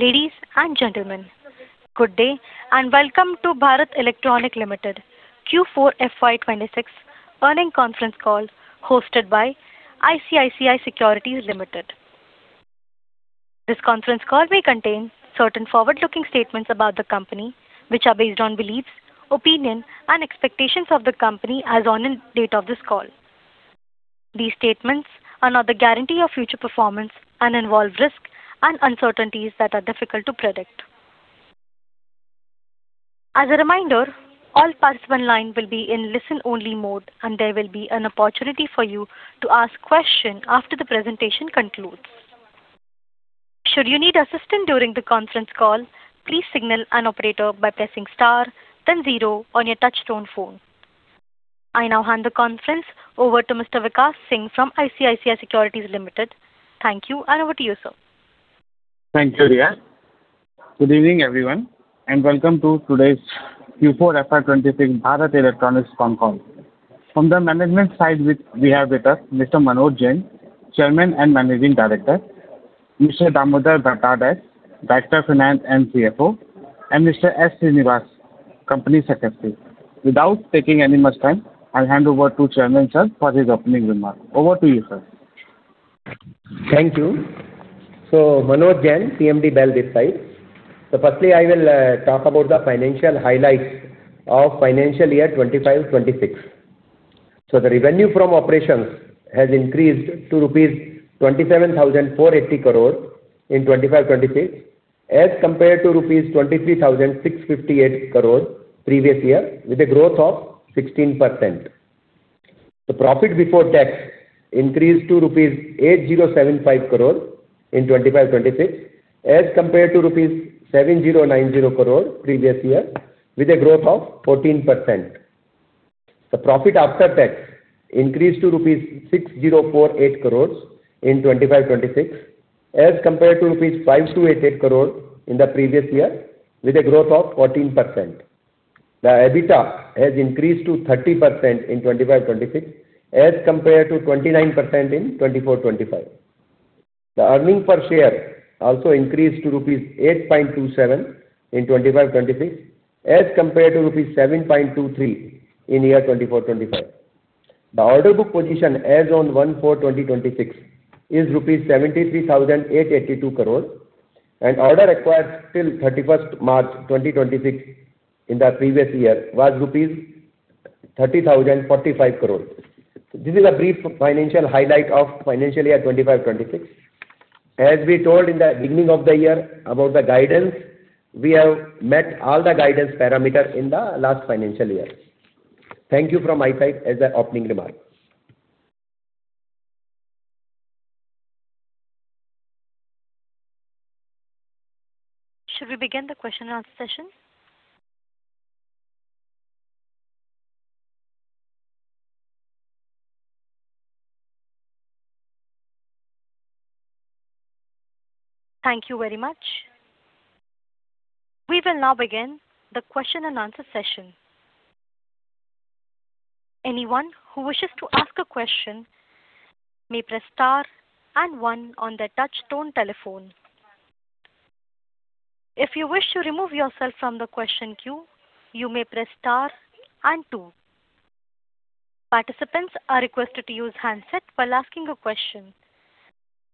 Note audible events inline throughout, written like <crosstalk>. Ladies and gentlemen, good day and welcome to Bharat Electronics Limited Q4 FY 2026 earnings conference call hosted by ICICI Securities Limited. This conference call may contain certain forward-looking statements about the company, which are based on beliefs, opinion, and expectations of the company as on and date of this call. These statements are not the guarantee of future performance and involve risks and uncertainties that are difficult to predict. As a reminder, all participants online will be in listen-only mode, and there will be an opportunity for you to ask question after the presentation concludes. Should you need assistance during the conference call, please signal an operator by pressing star then zero on your touch tone phone. I now hand the conference over to Mr. Vikas Singh from ICICI Securities Limited. Thank you. Over to you, sir. Thank you, [Rhea]. Good evening, everyone, and welcome to today's Q4 FY 2026 Bharat Electronics con call. From the management side, we have with us Mr. Manoj Jain, Chairman and Managing Director; Mr. Damodar Bhattad, Director, Finance and CFO; and Mr. S. Sreenivas, Company Secretary. Without taking any much time, I'll hand over to Chairman, sir, for his opening remark. Over to you, sir. Thank you. Manoj Jain, CMD, BEL this side. Firstly, I will talk about the financial highlights of financial year 2025, 2026. The revenue from operations has increased to rupees 27,480 crore in 2025, 2026 as compared to rupees 23,658 crore previous year with a growth of 16%. The profit before tax increased to rupees 8,075 crore in 2025, 2026 as compared to rupees 7,090 crore previous year with a growth of 14%. The profit after tax increased to rupees 6,048 crore in 2025, 2026 as compared to rupees 5,288 crore in the previous year with a growth of 14%. The EBITDA has increased to 30% in 2025, 2026 as compared to 29% in 2024, 2025. The earning per share also increased to rupees 8.27 in 2025-2026 as compared to rupees 7.23 in year 2024-2025. The order book position as on 1/4/2026 is rupees 73,882 crore and order acquired till 31st March 2026 in the previous year was rupees 30,045 crore. This is a brief financial highlight of financial year 2025-2026. As we told in the beginning of the year about the guidance, we have met all the guidance parameters in the last financial year. Thank you from my side as the opening remark. Should we begin the question-and-answer session? Thank you very much. We will now begin the question-and-answer session.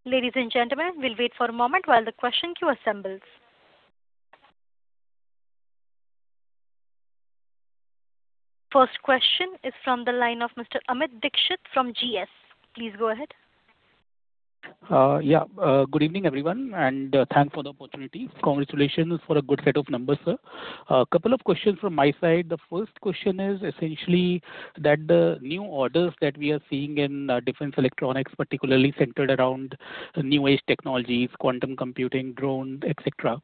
Ladies and gentlemen, we'll wait for a moment while the question queue assembles. First question is from the line of Mr. Amit Dixit from GS. Please go ahead. Good evening, everyone, thanks for the opportunity. Congratulations for a good set of numbers, sir. A couple of questions from my side. The first question is essentially that the new orders that we are seeing in defense electronics, particularly centered around new age technologies, quantum computing, drones, et cetera.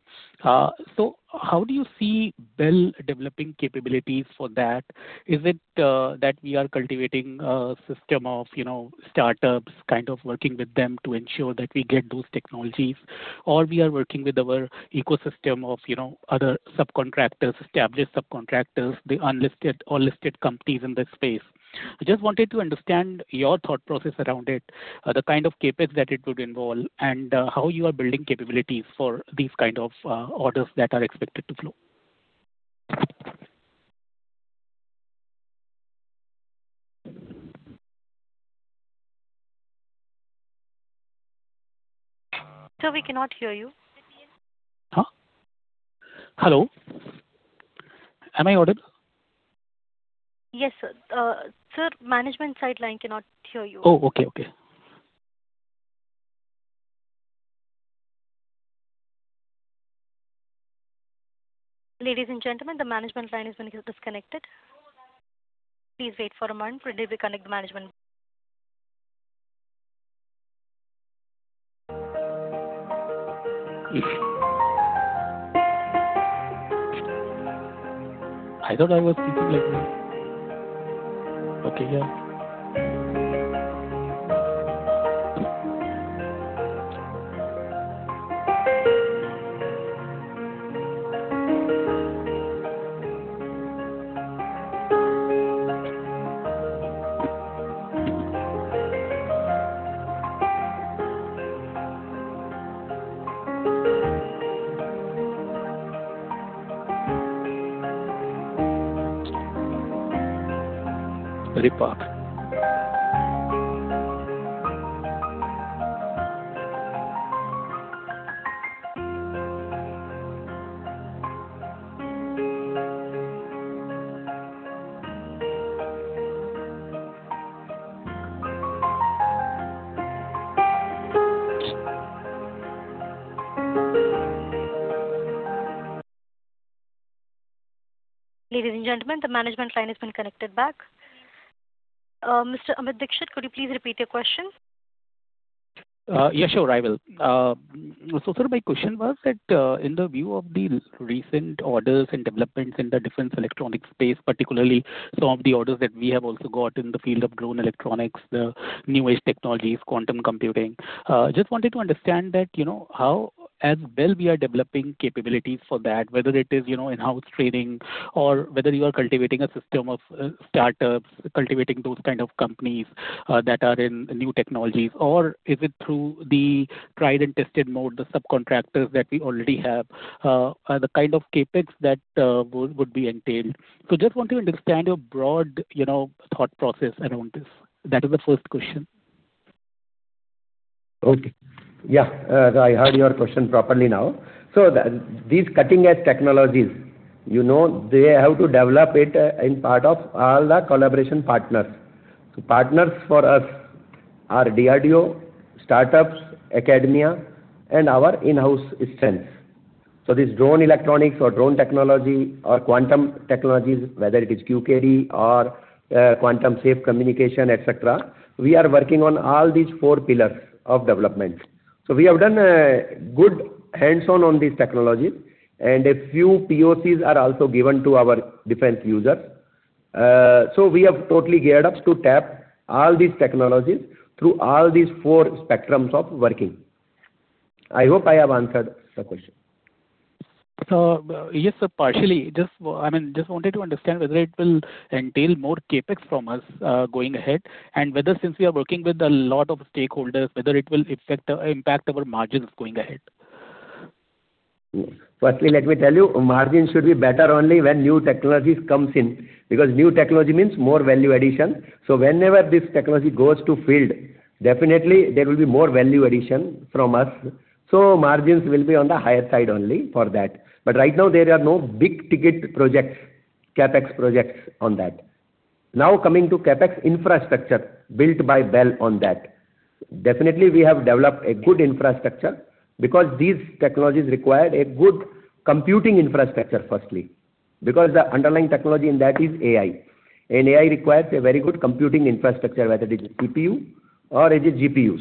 How do you see BEL developing capabilities for that? Is it that we are cultivating a system of, you know, startups kind of working with them to ensure that we get those technologies or we are working with our ecosystem of, you know, other subcontractors, established subcontractors, the unlisted or listed companies in this space? I just wanted to understand your thought process around it, the kind of CapEx that it would involve, how you are building capabilities for these kind of orders that are expected to flow. Sir, we cannot hear you. Huh? Hello. Am I audible? Yes, sir. Sir, management side line cannot hear you. Oh, okay. Okay. Ladies and gentlemen, the management line has been disconnected. Please wait for a moment for it to reconnect the management. I thought I was speaking like... Okay, yeah. Repeat. Ladies and gentlemen, the management line has been connected back. Mr. Amit Dixit, could you please repeat your question? Yeah, sure. I will. Sir, my question was that, in the view of the recent orders and developments in the defence electronic space, particularly some of the orders that we have also got in the field of drone electronics, the new age technologies, quantum computing, just wanted to understand that, you know, how as well we are developing capabilities for that, whether it is, you know, in-house training or whether you are cultivating a system of startups, cultivating those kind of companies that are in new technologies, or is it through the tried and tested mode, the subcontractors that we already have? The kind of CapEx that would be entailed. Just want to understand your broad, you know, thought process around this. That is the first question. I heard your question properly now. These cutting-edge technologies, you know, they have to develop it in part of all the collaboration partners. Partners for us are DRDO, startups, academia, and our in-house strength. This drone electronics or drone technology or quantum technologies, whether it is QKD or quantum safe communication, et cetera, we are working on all these four pillars of development. We have done good hands-on on these technologies, and a few POCs are also given to our defense user. We have totally geared up to tap all these technologies through all these four spectrums of working. I hope I have answered the question. Yes, sir, partially. Just, I mean, just wanted to understand whether it will entail more CapEx from us, going ahead, and whether since we are working with a lot of stakeholders, whether it will affect, impact our margins going ahead. Firstly, let me tell you, margin should be better only when new technologies comes in, because new technology means more value addition. Whenever this technology goes to field, definitely there will be more value addition from us. Margins will be on the higher side only for that. Right now there are no big-ticket projects, CapEx projects on that. Now, coming to CapEx infrastructure built by BEL on that. Definitely, we have developed a good infrastructure because these technologies require a good computing infrastructure, firstly. Because the underlying technology in that is AI, and AI requires a very good computing infrastructure, whether it is CPU or it is GPUs.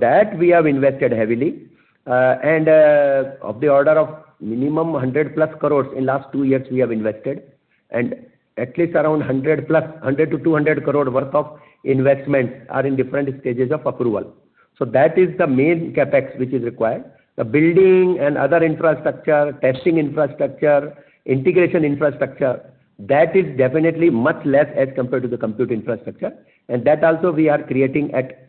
That we have invested heavily, and of the order of minimum 100+ crore in last two years we have invested, and at least around 100+, 100 crore-200 crore worth of investments are in different stages of approval. That is the main CapEx which is required. The building and other infrastructure, testing infrastructure, integration infrastructure, that is definitely much less as compared to the compute infrastructure. That also we are creating at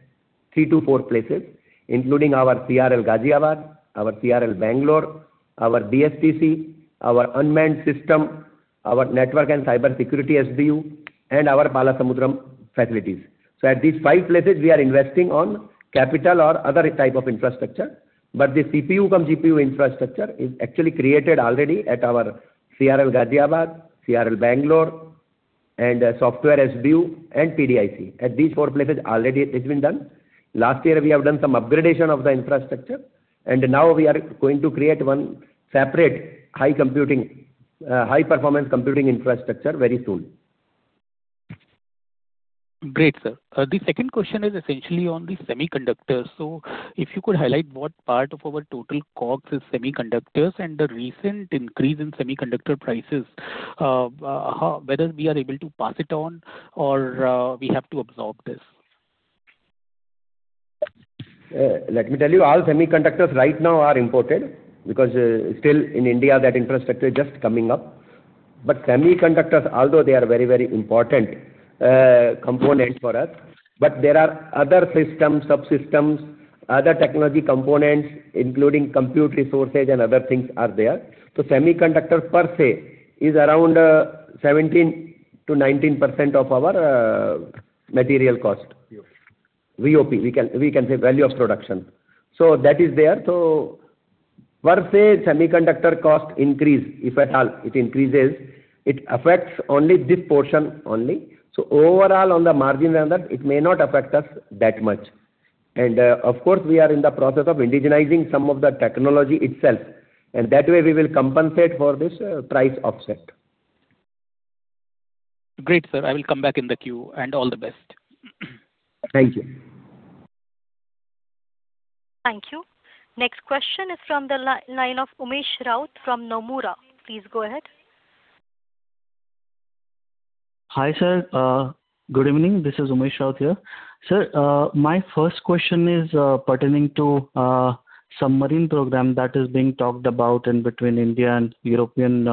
three to four places, including our CRL Ghaziabad, our CRL Bangalore, our DSTC, our unmanned system, our network and cybersecurity SBU, and our Palasamudram facilities. At these five places, we are investing on capital or other type of infrastructure. The CPU cum GPU infrastructure is actually created already at our CRL Ghaziabad, CRL Bangalore, and Software SBU and PDIC. At these four places already it's been done. Last year, we have done some upgradation of the infrastructure. Now we are going to create one separate high computing, high-performance computing infrastructure very soon. Great, sir. The second question is essentially on the semiconductors. If you could highlight what part of our total COGS is semiconductors and the recent increase in semiconductor prices, whether we are able to pass it on or we have to absorb this. Let me tell you, all semiconductors right now are imported because, still in India, that infrastructure is just coming up. Semiconductors, although they are very, very important component for us, but there are other systems, subsystems, other technology components, including compute resources and other things are there. Semiconductor per se is around 17%-19% of our material cost. VOP. VOP. We can say value of production. That is there. Per se, semiconductor cost increase, if at all it increases, it affects only this portion only. Overall, on the margin and that, it may not affect us that much. Of course, we are in the process of indigenizing some of the technology itself, and that way we will compensate for this price offset. Great, sir. I will come back in the queue, and all the best. Thank you. Thank you. Next question is from the line of Umesh Raut from Nomura. Please go ahead. Hi, sir. Good evening. This is Umesh Raut here. Sir, my first question is pertaining to submarine program that is being talked about in between India and European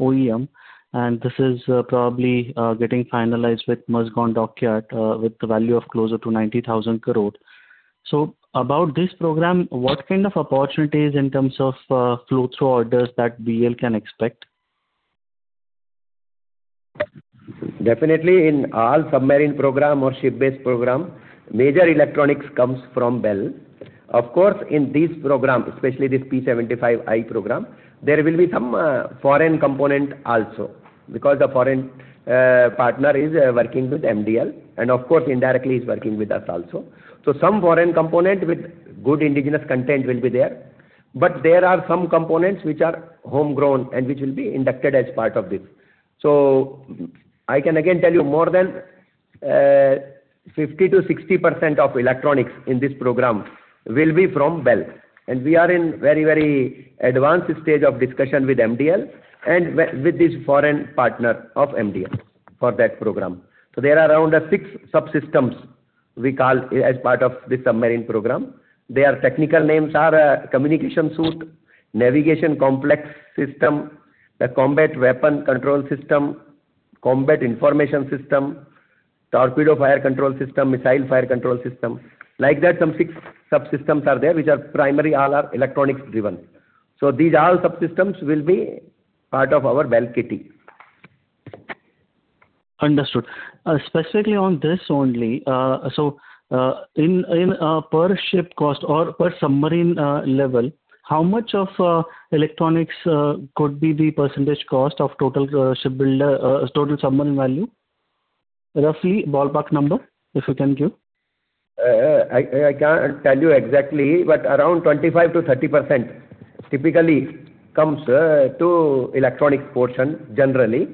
OEM, and this is probably getting finalized with Mazagon Dockyard with the value of closer to 90,000 crore. About this program, what kind of opportunities in terms of flow-through orders that BEL can expect? Definitely, in all submarine program or ship-based program, major electronics comes from BEL. In this program, especially this P-75I program, there will be some foreign component also, because the foreign partner is working with MDL and of course, indirectly is working with us also. Some foreign component with good indigenous content will be there. There are some components which are homegrown and which will be inducted as part of this. I can again tell you more than 50%-60% of electronics in this program will be from BEL, and we are in very, very advanced stage of discussion with MDL and with this foreign partner of MDL for that program. There are around six subsystems we call as part of this submarine program. Their technical names are, communication suite, navigation complex system, the combat weapon control system, combat information system, torpedo fire control system, missile fire control system. Like that, some six subsystems are there which are primary all are electronics-driven. These all subsystems will be part of our BEL kitty. Understood. Specifically on this only, per ship cost or per submarine level, how much of electronics could be the percentage cost of total shipbuilder total submarine value? Roughly ballpark number, if you can give. I can't tell you exactly, but around 25%-30% typically comes to electronics portion generally.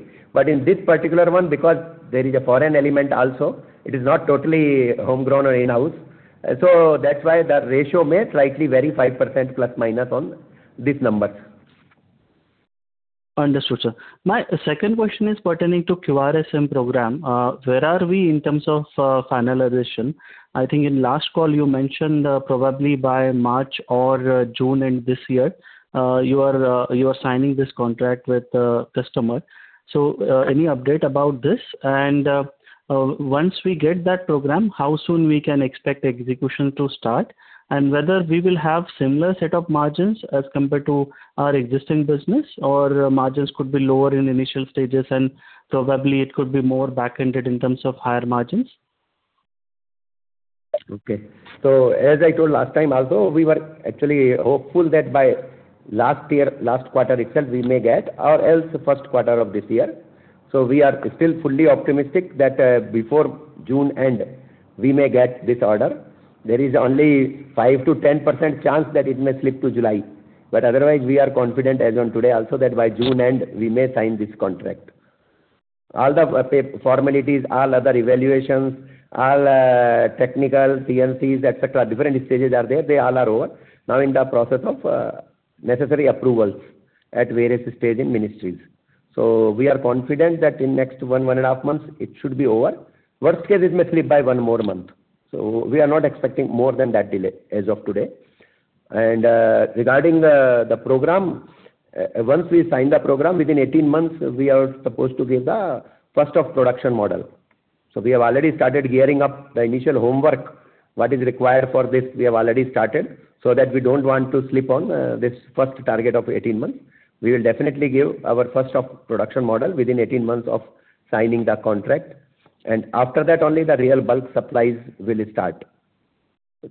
In this particular one, because there is a foreign element also, it is not totally homegrown or in-house. That's why the ratio may slightly vary 5%± on these numbers. Understood, sir. My second question is pertaining to QRSAM program. Where are we in terms of finalization? I think in last call you mentioned, probably by March or June end this year, you are signing this contract with the customer. Any update about this? Once we get that program, how soon we can expect execution to start, and whether we will have similar set of margins as compared to our existing business, or margins could be lower in initial stages, and probably it could be more back-ended in terms of higher margins. Okay. As I told last time also, we were actually hopeful that by last year, last quarter itself, we may get, or else the first quarter of this year. We are still fully optimistic that before June end, we may get this order. There is only 5%-10% chance that it may slip to July. Otherwise, we are confident as on today also that by June end, we may sign this contract. All the formalities, all other evaluations, all technical TMCs, et cetera, different stages are there. They all are over. Now in the process of necessary approvals at various stage in ministries. We are confident that in next one month and half months, it should be over. Worst case, it may slip by one more month. We are not expecting more than that delay as of today. Regarding the program, once we sign the program, within 18 months we are supposed to give the first off production model. We have already started gearing up the initial homework. What is required for this, we have already started, so that we don't want to slip on this first target of 18 months. We will definitely give our first off production model within 18 months of signing the contract. After that only the real bulk supplies will start.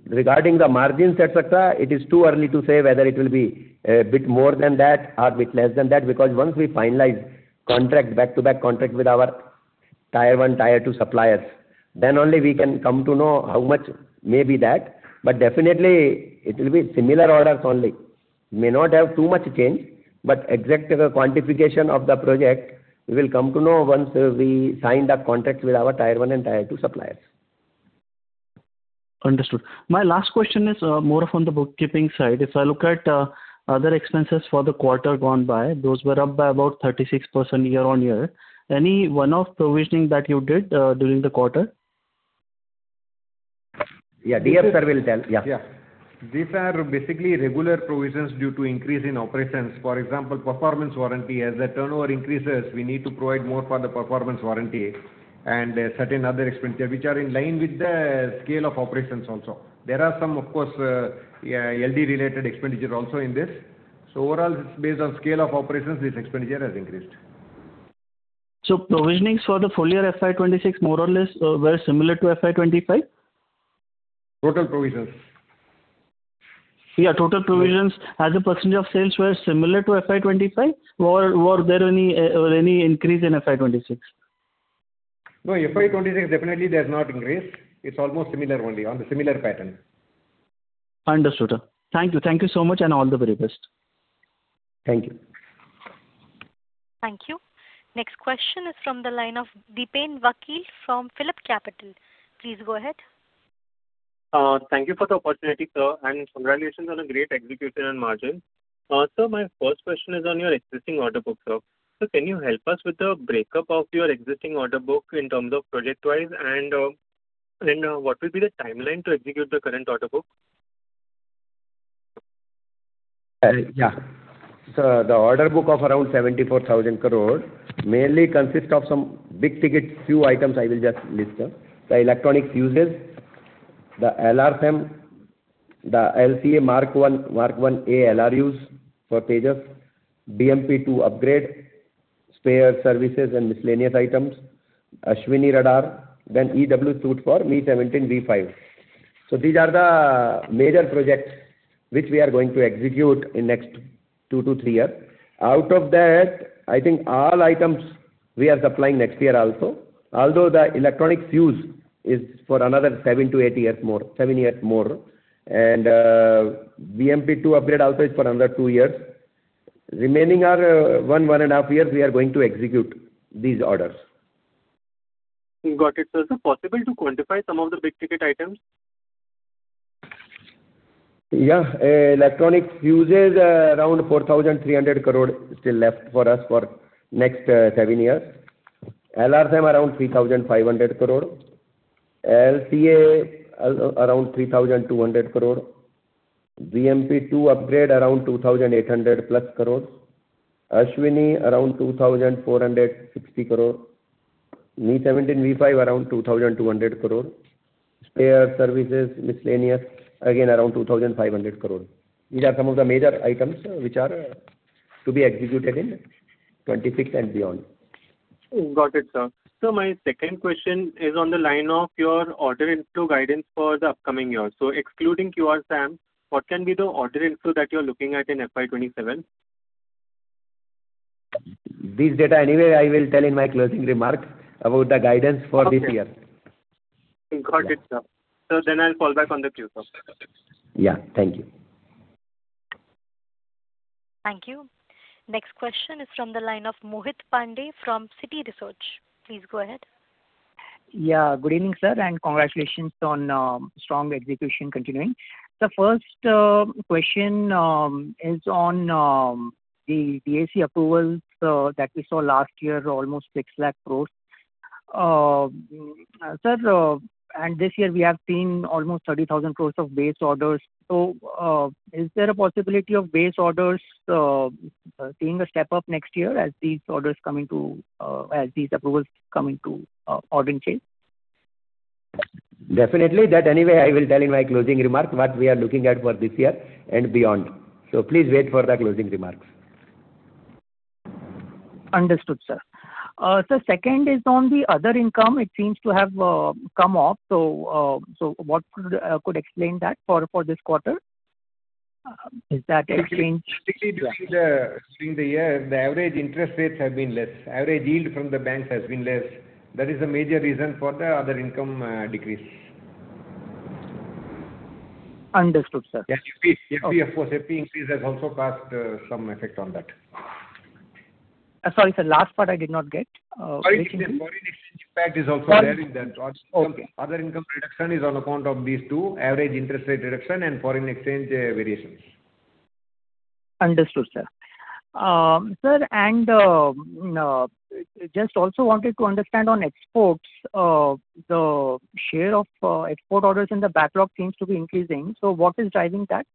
Regarding the margins, et cetera, it is too early to say whether it will be a bit more than that or bit less than that, because once we finalize contract, back-to-back contract with our tier one, tier two suppliers, then only we can come to know how much may be that. Definitely it will be similar orders only. May not have too much change, but exact quantification of the project, we will come to know once we sign the contract with our tier one and tier two suppliers. Understood. My last question is, more from the bookkeeping side. If I look at, other expenses for the quarter gone by, those were up by about 36% year-on-year. Any one-off provisioning that you did, during the quarter? Yeah. DF sir will tell. Yeah. These are basically regular provisions due to increase in operations, for example, performance warranty. As the turnover increases, we need to provide more for the performance warranty and certain other expenditure which are in line with the scale of operations also. There are some, of course, LD related expenditure also in this. Overall, based on scale of operations, this expenditure has increased. Provisionings for the full year FY 2026 more or less, were similar to FY 2025? Total provisions. Yeah, total provisions as a percent of sales were similar to FY 2025, or there any or any increase in FY 2026? No, FY 2026 definitely there's not increase. It's almost similar only, on the similar pattern. Understood, sir. Thank you. Thank you so much, and all the very best. Thank you. Thank you. Next question is from the line of Dipen Vakil from PhillipCapital. Please go ahead. Thank you for the opportunity, sir, and congratulations on a great execution and margin. Sir, my first question is on your existing order book, sir. Sir, can you help us with the breakup of your existing order book in terms of project-wise? What will be the timeline to execute the current order book? Yeah. The order book of around 74,000 crore mainly consists of some big-ticket few items. I will just list them. The electronic fuses, the LRSAM, the LCA Mk1, Mk1A LRUs for Tejas, BMP II Upgrade, spare services and miscellaneous items, Ashwini Radar, then EW suite for Mi-17 V5. These are the major projects which we are going to execute in next two to three years. Out of that, I think all items we are supplying next year also. Although the electronic fuse is for another seven to eight years more, seven years more. BMP II Upgrade also is for another two years. Remaining are one and a half years, we are going to execute these orders. Got it. Is it possible to quantify some of the big-ticket items? Electronic fuses, around 4,300 crore still left for us for next seven years. LRSAM around 3,500 crore. LCA, around 3,200 crore. BMP II Upgrade around 2,800+ crore. Ashwini around 2,460 crore. Mi-17 V5 around 2,200 crore. Spare services miscellaneous, again around 2,500 crore. These are some of the major items which are to be executed in 2026 and beyond. Got it, sir. My second question is on the line of your order intake guidance for the upcoming year. Excluding QRSAM, what can be the order intake that you're looking at in FY 2027? This data anyway, I will tell in my closing remarks about the guidance for this year. Okay. Got it, sir. I'll fall back on the queue, sir. Yeah. Thank you. Thank you. Next question is from the line of Mohit Pandey from Citi Research. Please go ahead. Good evening, sir, and congratulations on strong execution continuing. The first question is on the DAC approvals that we saw last year, almost 6 lakh crore. Sir, and this year we have seen almost 30,000 crore of base orders. Is there a possibility of base orders seeing a step-up next year as these approvals coming to order intake? Definitely. That anyway, I will tell in my closing remarks what we are looking at for this year and beyond. Please wait for the closing remarks. Understood, sir. Sir, second is on the other income. It seems to have come off. What could explain that for this quarter? Is that exchange? Basically, during the year, the average interest rates have been less. Average yield from the banks has been less. That is the major reason for the other income decrease. Understood, sir. <audio distortion> increase has also caused, some effect on that. Sorry, sir. Last part I did not get. Foreign exchange, foreign exchange impact is also there in that. Sorry. Okay. Other income reduction is on account of these two: average interest rate reduction and foreign exchange variations. Understood, sir. Sir, just also wanted to understand on exports. The share of export orders in the backlog seems to be increasing. What is driving that?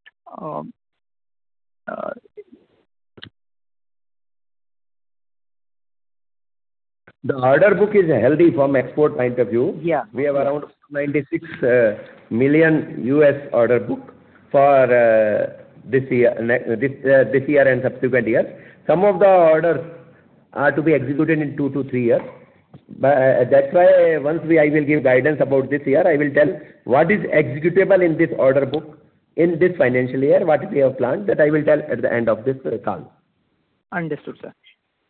The order book is healthy from export point of view. Yeah. We have around $96 million order book for this year and subsequent years. Some of the orders are to be executed in two to three years. That's why once I will give guidance about this year, I will tell what is executable in this order book in this financial year, what we have planned. That I will tell at the end of this call. Understood,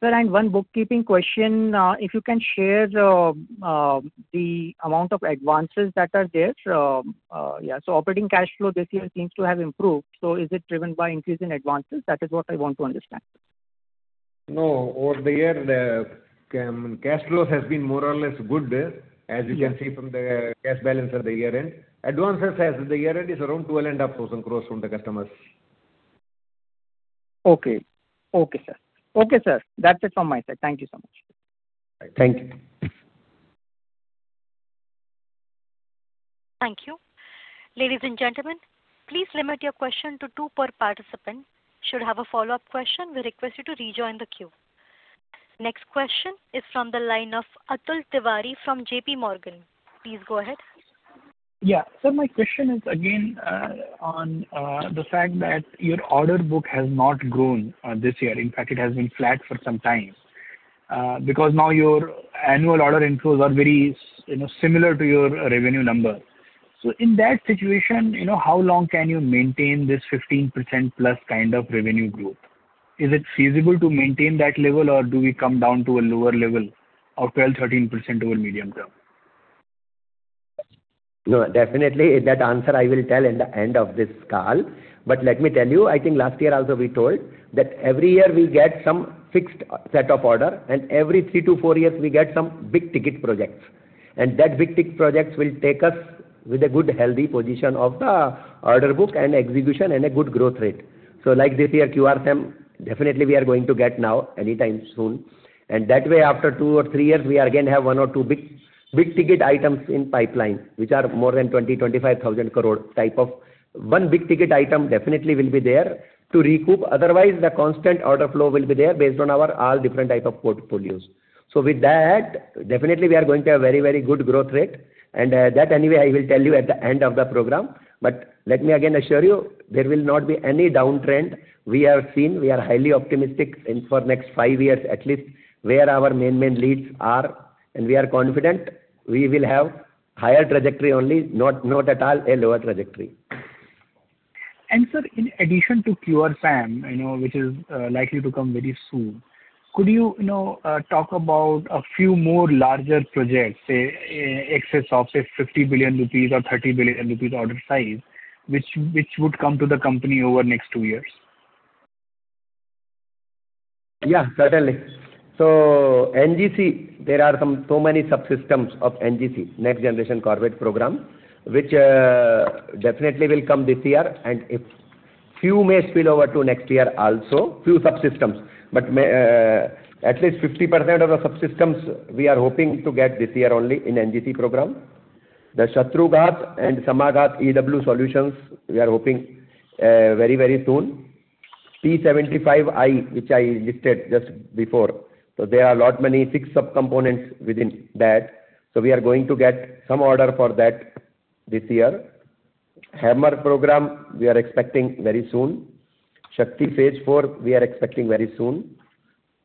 sir. Sir, one bookkeeping question. If you can share the amount of advances that are there. Operating cash flow this year seems to have improved. Is it driven by increase in advances? That is what I want to understand. No. Over the year, the cash flows has been more or less good, as you can see from the cash balance at the year-end. Advances as of the year-end is around 12,500 crore from the customers. Okay. Okay, sir. Okay, sir. That's it from my side. Thank you so much. Thank you. Thank you. Ladies and gentlemen, please limit your question to two per participant. Should have a follow-up question, we request you to rejoin the queue. Next question is from the line of Atul Tiwari from JPMorgan. Please go ahead. My question is again, on the fact that your order book has not grown this year. In fact, it has been flat for some time. Because now your annual order inflows are very, you know, similar to your revenue number. In that situation, you know, how long can you maintain this 15%+ kind of revenue growth? Is it feasible to maintain that level or do we come down to a lower level of 12%, 13% over medium term? Definitely that answer I will tell in the end of this call. Let me tell you, I think last year also we told that every year we get some fixed set of order, and every three to four years we get some big-ticket projects. That big-ticket projects will take us with a good healthy position of the order book and execution and a good growth rate. Like this year QRSAM, definitely we are going to get now anytime soon. That way, after two or three years, we are again have one or two big-ticket items in pipeline, which are more than 20,000 crore-25,000 crore type of one big-ticket item definitely will be there to recoup. Otherwise, the constant order flow will be there based on our all different type of portfolios. With that, definitely we are going to have very, very good growth rate. That anyway, I will tell you at the end of the program. Let me again assure you, there will not be any downtrend. We have seen, we are highly optimistic in for next five years at least, where our main leads are, and we are confident we will have higher trajectory only, not at all a lower trajectory. Sir, in addition to QRSAM, you know, which is, likely to come very soon, could you know, talk about a few more larger projects, say, in excess of, say, 50 billion rupees or 30 billion rupees order size, which would come to the company over next two years? Certainly. NGC, there are so many subsystems of NGC, Next Generation Corvette program, which definitely will come this year, and a few may spill over to next year also, few subsystems. May, at least 50% of the subsystems we are hoping to get this year only in NGC program. The Shatrughat and Samaghat EW solutions, we are hoping very soon. P-75I, which I listed just before. There are lot many six subcomponents within that. We are going to get some order for that this year. HAMMER program we are expecting very soon. Shakti phase IV we are expecting very soon.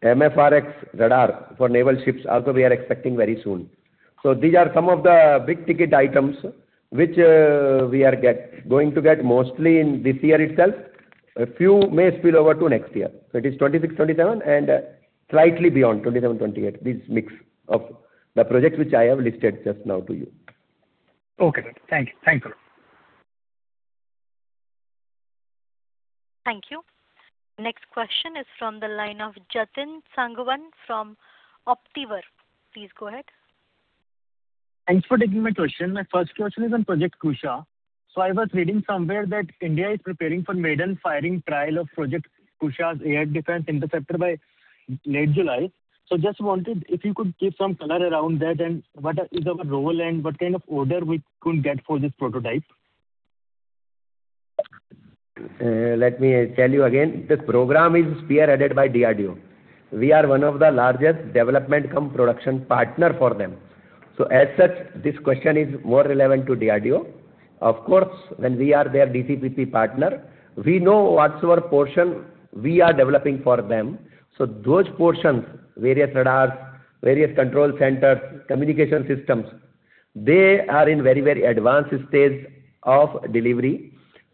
MFR-X radar for naval ships also we are expecting very soon. These are some of the big-ticket items which we are going to get mostly in this year itself. A few may spill over to next year. It is 2026, 2027 and slightly beyond, 2027, 2028, this mix of the projects which I have listed just now to you. Okay. Thank you. Thanks a lot. Thank you. Next question is from the line of [Jatin Sangwan] from Optiver. Please go ahead. Thanks for taking my question. My first question is on Project Kusha. I was reading somewhere that India is preparing for maiden firing trial of Project Kusha's air defense interceptor by mid-July. Just wanted if you could give some color around that and what is our role and what kind of order we could get for this prototype. Let me tell you again, this program is spearheaded by DRDO. We are one of the largest development cum production partner for them. As such, this question is more relevant to DRDO. Of course, when we are their DcPP partner, we know what's our portion we are developing for them. Those portions, various radars, various control centers, communication systems, they are in very, very advanced stage of delivery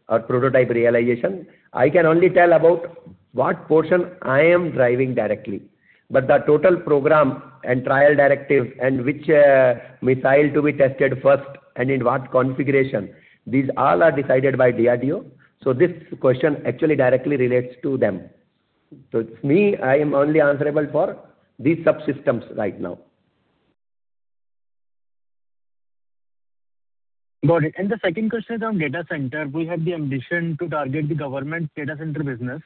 or prototype realization. I can only tell about what portion I am driving directly. The total program and trial directive and which missile to be tested first and in what configuration, these all are decided by DRDO. This question actually directly relates to them. It's me, I am only answerable for these subsystems right now. Got it. The second question is on data center. We have the ambition to target the government data center business.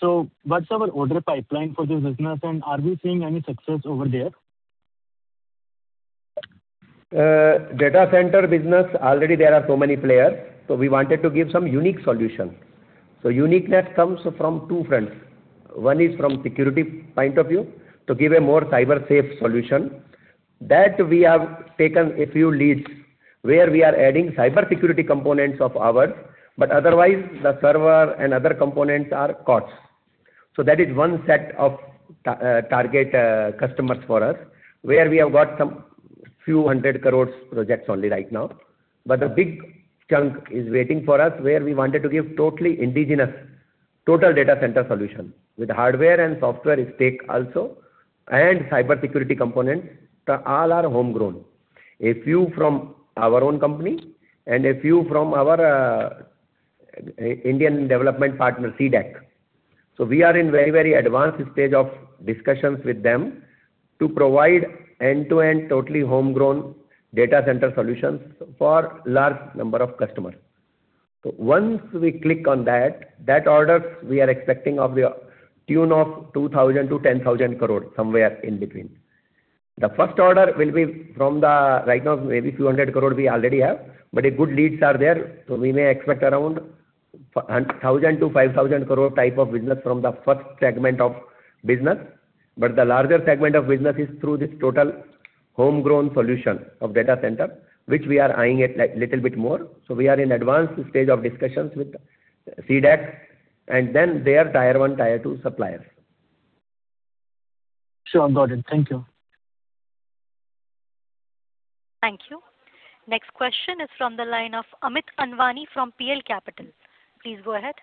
What's our order pipeline for this business? Are we seeing any success over there? Data center business already there are so many players, so we wanted to give some unique solution. Uniqueness comes from two fronts. One is from security point of view, to give a more cyber-safe solution. That we have taken a few leads where we are adding cybersecurity components of ours, but otherwise the server and other components are COTS. That is one set of target customers for us, where we have got some INR few hundred crores projects only right now. The big chunk is waiting for us, where we wanted to give totally indigenous total data center solution with hardware and software stack also, and cybersecurity components. All are homegrown. A few from our own company and a few from our Indian development partner, C-DAC. We are in very, very advanced stage of discussions with them to provide end-to-end totally homegrown data center solutions for large number of customers. Once we click on that orders we are expecting of the tune of 2,000 crore-10,000 crore, somewhere in between. The first order will be from the, right now maybe few hundred crore we already have, but good leads are there, we may expect around 1,000 crore-5,000 crore type of business from the first segment of business. The larger segment of business is through this total homegrown solution of data center, which we are eyeing at, like, little bit more. We are in advanced stage of discussions with C-DAC and then their tier one, tier two suppliers. Sure. Got it. Thank you. Thank you. Next question is from the line of Amit Anwani from PL Capital. Please go ahead.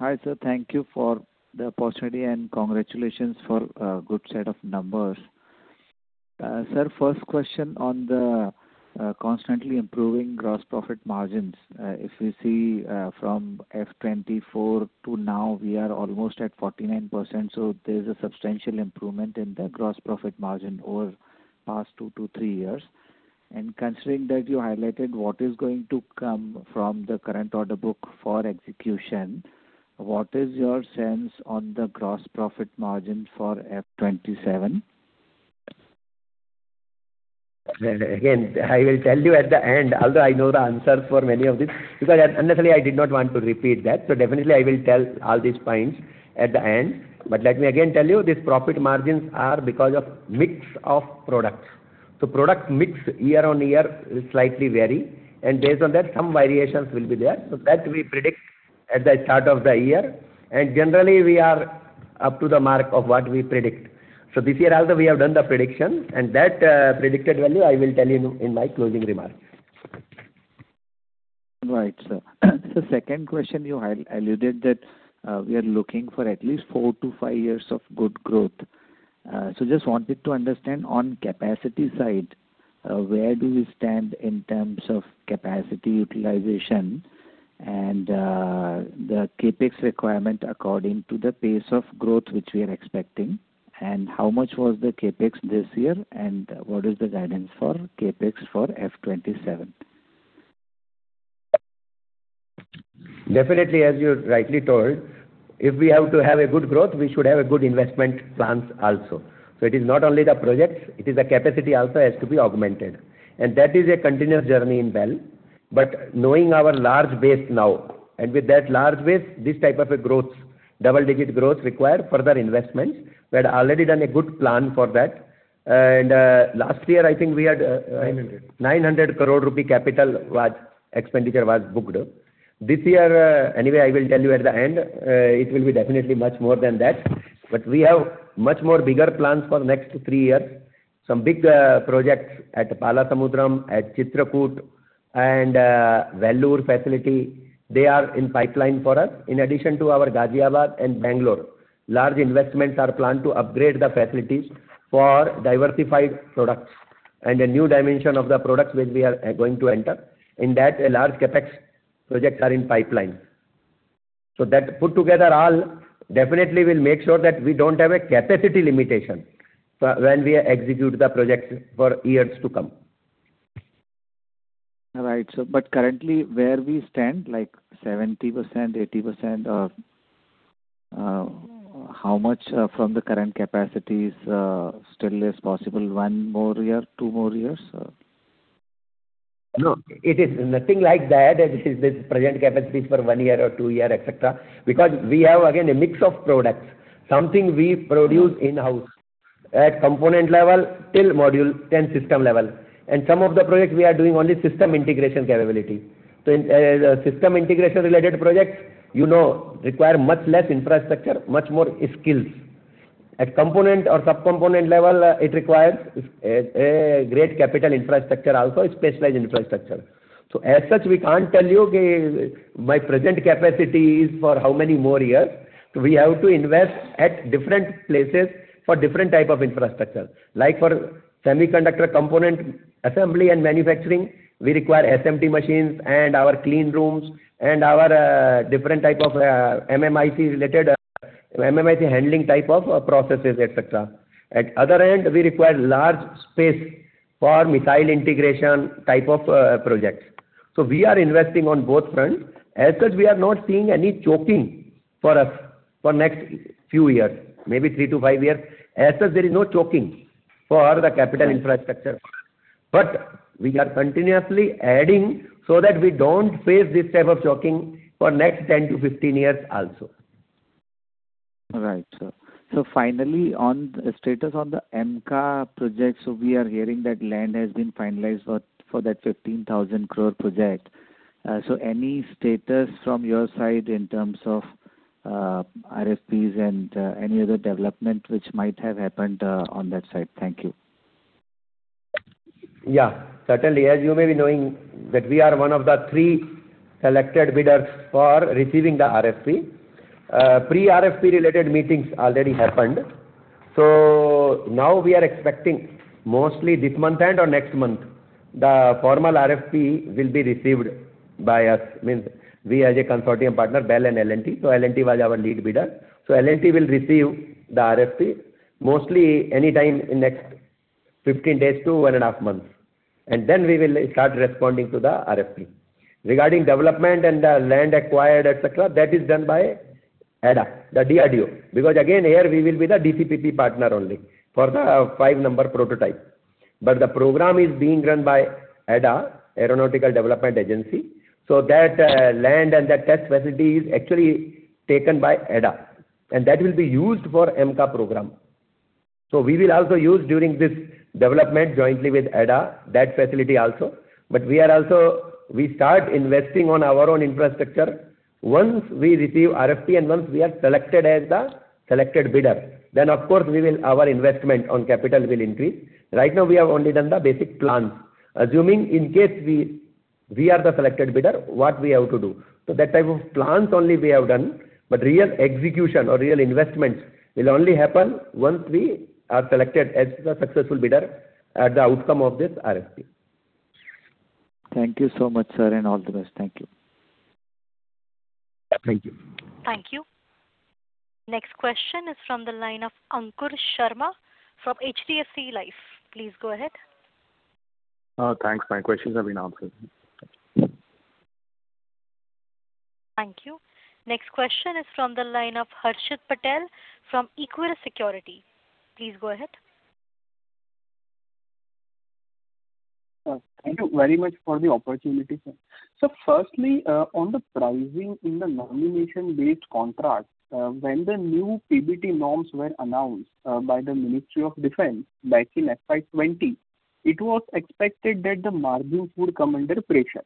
Hi, sir. Thank you for the opportunity. Congratulations for a good set of numbers. Sir, first question on the constantly improving gross profit margins. If you see, from FY 2024 to now, we are almost at 49%. There's a substantial improvement in the gross profit margin over past two to three years. Considering that you highlighted what is going to come from the current order book for execution, what is your sense on the gross profit margin for FY 2027? Well, again, I will tell you at the end, although I know the answer for many of these, because unnecessarily I did not want to repeat that. Definitely I will tell all these points at the end. Let me again tell you, these profit margins are because of mix of products. Product mix year-on-year will slightly vary, and based on that, some variations will be there. That we predict at the start of the year. Generally, we are up to the mark of what we predict. This year also we have done the prediction, and that predicted value I will tell you in my closing remarks. Right, sir. Second question, you had alluded that we are looking for at least four to five years of good growth. Just wanted to understand on capacity side, where do we stand in terms of capacity utilization and the CapEx requirement according to the pace of growth which we are expecting, and how much was the CapEx this year, and what is the guidance for CapEx for FY 2027? Definitely, as you rightly told, if we have to have a good growth, we should have a good investment plans also. It is not only the projects, it is the capacity also has to be augmented. That is a continuous journey in BEL. Knowing our large base now, and with that large base, this type of a growth, double-digit growth require further investments. We had already done a good plan for that. Last year, I think we had. 900 crore rupee. 900 crore rupee capital expenditure was booked. This year, anyway, I will tell you at the end, it will be definitely much more than that. We have much more bigger plans for next three years. Some big projects at Palasamudram, at Chitrakoot and Vellore facility, they are in pipeline for us. In addition to our Ghaziabad and Bangalore, large investments are planned to upgrade the facilities for diversified products and a new dimension of the products which we are going to enter. In that, a large CapEx projects are in pipeline. That put together all, definitely will make sure that we don't have a capacity limitation for when we execute the projects for years to come. All right, sir. Currently, where we stand, like 70%, 80%? How much from the current capacities still is possible? One more year, two more years? No, it is nothing like that, as is this present capacities for one year or two year, et cetera, because we have, again, a mix of products. Something we produce in-house at component level till module then system level. Some of the projects we are doing only system integration capability. In system integration related projects, you know, require much less infrastructure, much more skills. At component or subcomponent level, it requires a great capital infrastructure also, specialized infrastructure. As such, we can't tell you, okay, my present capacity is for how many more years. We have to invest at different places for different type of infrastructure. Like for semiconductor component assembly and manufacturing, we require SMT machines and our clean rooms and our different type of MMIC related, MMIC handling type of processes, et cetera. At other end, we require large space for missile integration type of projects. We are investing on both fronts. As such, we are not seeing any choking for us for next few years, maybe three to five years. As such, there is no choking for the capital infrastructure. We are continuously adding so that we don't face this type of choking for next 10-15 years also. All right, sir. Finally, on the status on the AMCA project. We are hearing that land has been finalized for that 15,000 crore project. Any status from your side in terms of RFPs and any other development which might have happened on that side? Thank you. Yeah. Certainly. As you may be knowing that we are one of the three selected bidders for receiving the RFP. Pre-RFP related meetings already happened. Now we are expecting mostly this month end or next month, the formal RFP will be received by us. Means we as a consortium partner, BEL and L&T. L&T was our lead bidder. L&T will receive the RFP mostly any time in next 15 days to one and a half months, and then we will start responding to the RFP. Regarding development and the land acquired, et cetera, that is done by ADA, the DRDO. Because again, here we will be the DcPP partner only for the five number prototype. The program is being run by ADA, Aeronautical Development Agency. That land and that test facility is actually taken by ADA, and that will be used for AMCA program. We will also use during this development jointly with ADA, that facility also. We start investing on our own infrastructure. Once we receive RFP and once we are selected as the selected bidder, of course we will our investment on capital will increase. Right now we have only done the basic plans. Assuming in case we are the selected bidder, what we have to do. That type of plans only we have done, real execution or real investments will only happen once we are selected as the successful bidder at the outcome of this RFP. Thank you so much, sir, and all the best. Thank you. Thank you. Thank you. Next question is from the line of Ankur Sharma from HDFC Life. Please go ahead. Thanks. My questions have been answered. Thank you. Next question is from the line of Harshit Patel from Equirus Securities. Please go ahead. Thank you very much for the opportunity, sir. Firstly, on the pricing in the nomination-based contract, when the new PBT norms were announced by the Ministry of Defence back in FY 2020, it was expected that the margins would come under pressure.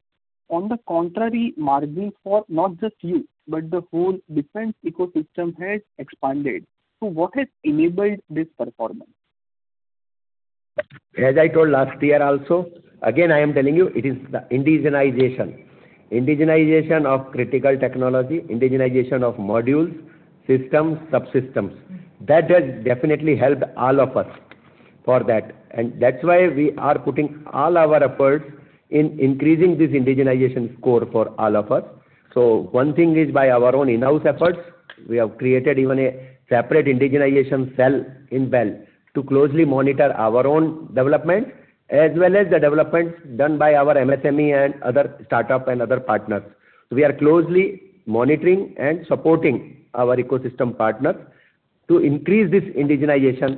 On the contrary, margins for not just you, but the whole defense ecosystem has expanded. What has enabled this performance? As I told last year also, again, I am telling you, it is the indigenization. Indigenization of critical technology, indigenization of modules, systems, subsystems. That has definitely helped all of us for that. That's why we are putting all our efforts in increasing this indigenization score for all of us. One thing is, by our own in-house efforts, we have created even a separate indigenization cell in BEL to closely monitor our own development as well as the developments done by our MSME and other startup and other partners. We are closely monitoring and supporting our ecosystem partners to increase this indigenization.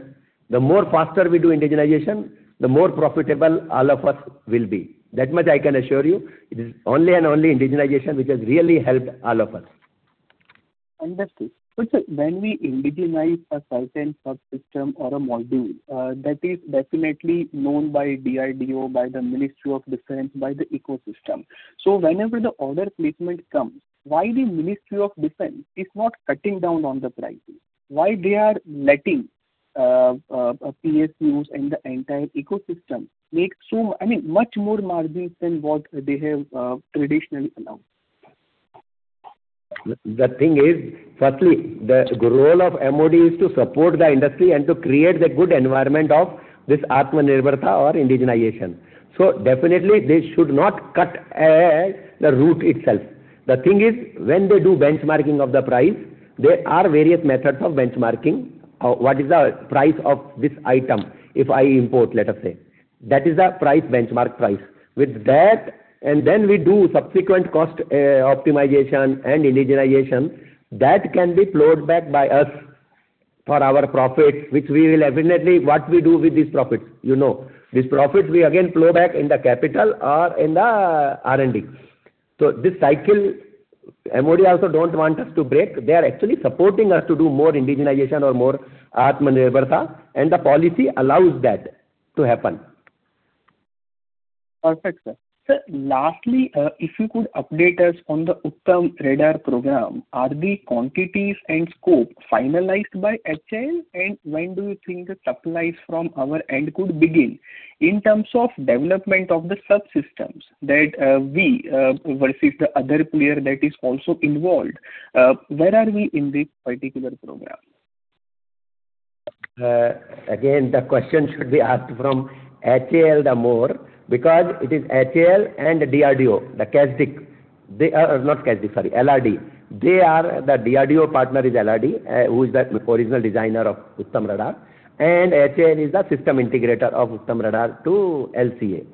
The more faster we do indigenization, the more profitable all of us will be. That much I can assure you. It is only and only indigenization which has really helped all of us. Understood. Sir, when we indigenize a certain subsystem or a module, that is definitely known by DRDO, by the Ministry of Defence, by the ecosystem. Whenever the order placement comes, why the Ministry of Defence is not cutting down on the pricing? Why they are letting PSUs in the entire ecosystem make much more margins than what they have traditionally allowed? The thing is, firstly, the role of MoD is to support the industry and to create the good environment of this Atmanirbharta or indigenization. Definitely, they should not cut the root itself. The thing is, when they do benchmarking of the price, there are various methods of benchmarking. What is the price of this item if I import, let us say. That is a price benchmark price. With that, then we do subsequent cost optimization and indigenization, that can be flowed back by us for our profit, which we will evidently, what we do with this profit, you know. This profit we again flow back in the capital or in the R&D. This cycle, MoD also don't want us to break. They are actually supporting us to do more indigenization or more Atmanirbharta, the policy allows that to happen. Perfect, sir. Sir, lastly, if you could update us on the Uttam radar program. Are the quantities and scope finalized by HAL? When do you think the supplies from our end could begin? In terms of development of the subsystems that we versus the other player that is also involved, where are we in this particular program? Again, the question should be asked from HAL the more because it is HAL and DRDO, the CASDIC. They are not CASDIC, sorry, LRDE. The DRDO partner is LRDE, who is the original designer of Uttam radar, and HAL is the system integrator of Uttam radar to LCA.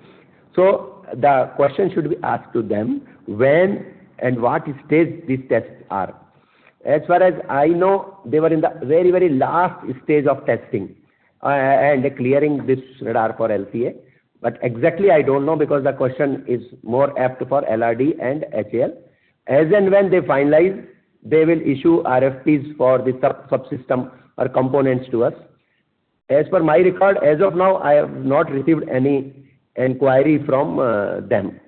The question should be asked to them, when and what stage these tests are. As far as I know, they were in the very, very last stage of testing and clearing this radar for LCA. Exactly, I don't know because the question is more apt for LRDE and HAL. As and when they finalize, they will issue RFPs for the sub-subsystem or components to us. As per my record, as of now, I have not received any inquiry from them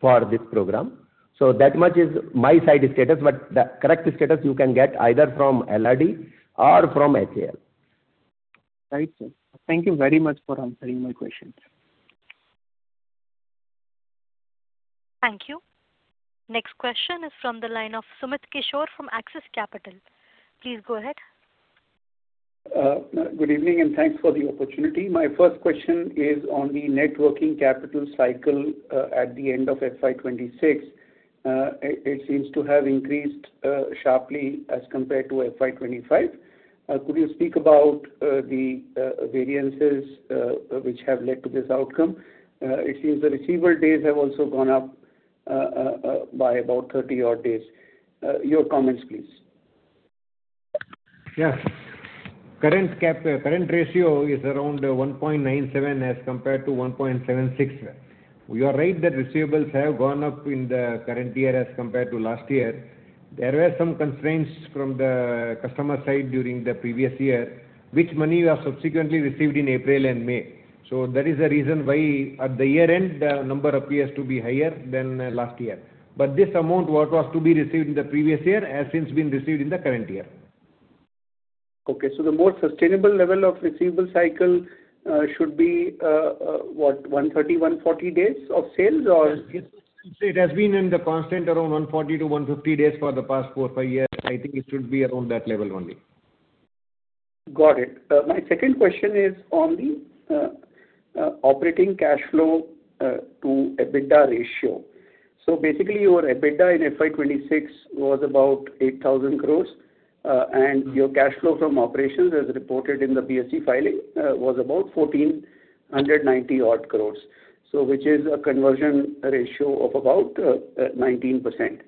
for this program. That much is my side status, but the correct status you can get either from LRDE or from HAL. Right, sir. Thank you very much for answering my questions. Thank you. Next question is from the line of Sumit Kishore from Axis Capital. Please go ahead. Good evening and thanks for the opportunity. My first question is on the net working capital cycle at the end of FY 2026. It seems to have increased sharply as compared to FY 2025. Could you speak about the variances which have led to this outcome? It seems the receivable days have also gone up by about 30 odd days. Your comments, please. Current ratio is around 1.97 as compared to 1.76. You are right that receivables have gone up in the current year as compared to last year. There were some constraints from the customer side during the previous year, which money we have subsequently received in April and May. That is the reason why at the year-end, the number appears to be higher than last year. This amount, what was to be received in the previous year, has since been received in the current year. Okay. The more sustainable level of receivable cycle should be, what? 130, 140 days of sales? Yes. It has been in the constant around 140 to 150 days for the past four, five years. I think it should be around that level only. Got it. My second question is on the operating cash flow to EBITDA ratio. Your EBITDA in FY 2026 was about 8,000 crore. Your cash flow from operations, as reported in the BSE filing, was about 1,490 odd crore. Which is a conversion ratio of about 19%.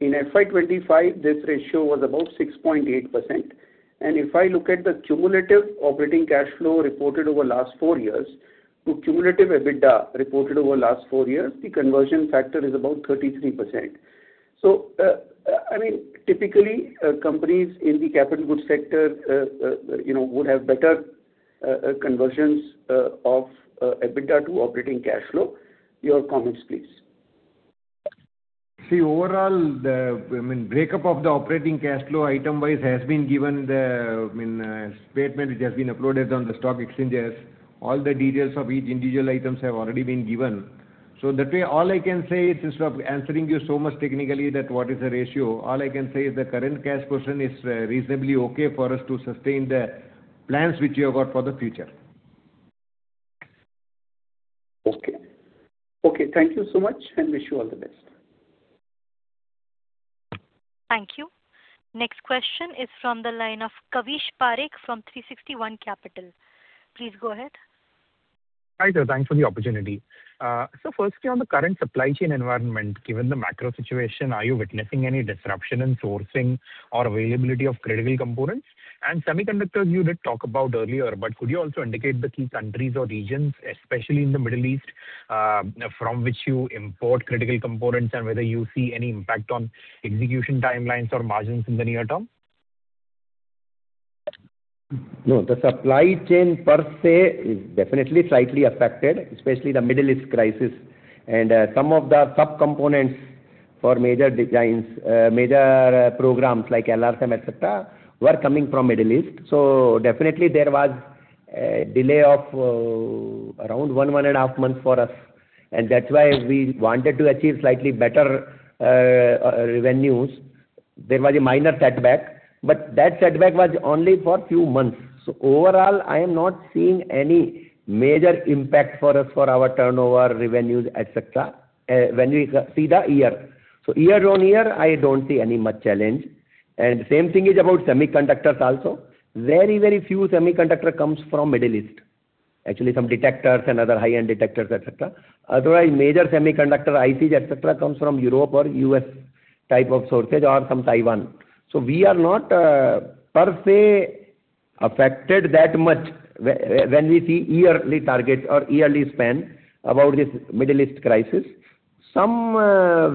In FY 2025, this ratio was about 6.8%. If I look at the cumulative operating cash flow reported over last four years to cumulative EBITDA reported over last four years, the conversion factor is about 33%. I mean, typically, companies in the capital goods sector, you know, would have better conversions of EBITDA to operating cash flow. Your comments, please. See, overall, the, I mean, breakup of the operating cash flow item-wise has been given. The, I mean, statement which has been uploaded on the stock exchanges. All the details of each individual items have already been given. That way, all I can say is instead of answering you so much technically that what is the ratio, all I can say is the current cash portion is reasonably okay for us to sustain the plans which we have got for the future. Okay. Okay, thank you so much, and wish you all the best. Thank you. Next question is from the line of Kavish Parekh from 360 ONE Capital. Please go ahead. Hi, sir. Thanks for the opportunity. Firstly, on the current supply chain environment, given the macro situation, are you witnessing any disruption in sourcing or availability of critical components? Semiconductors you did talk about earlier, but could you also indicate the key countries or regions, especially in the Middle East, from which you import critical components, and whether you see any impact on execution timelines or margins in the near term? No, the supply chain per se is definitely slightly affected, especially the Middle East crisis. Some of the subcomponents for major designs, major programs like LRSAM, et cetera, were coming from Middle East. Definitely there was a delay of around one and a half months for us. That's why we wanted to achieve slightly better revenues. There was a minor setback, but that setback was only for few months. Overall, I am not seeing any major impact for us, for our turnover, revenues, et cetera, when we see the year. Year-on-year, I don't see any much challenge. Same thing is about semiconductors also. Very few semiconductor comes from Middle East. Actually, some detectors and other high-end detectors, et cetera. Major semiconductor ICs, et cetera, comes from Europe or U.S. type of sources or some Taiwan. We are not per se affected that much when we see yearly targets or yearly span about this Middle East crisis. Some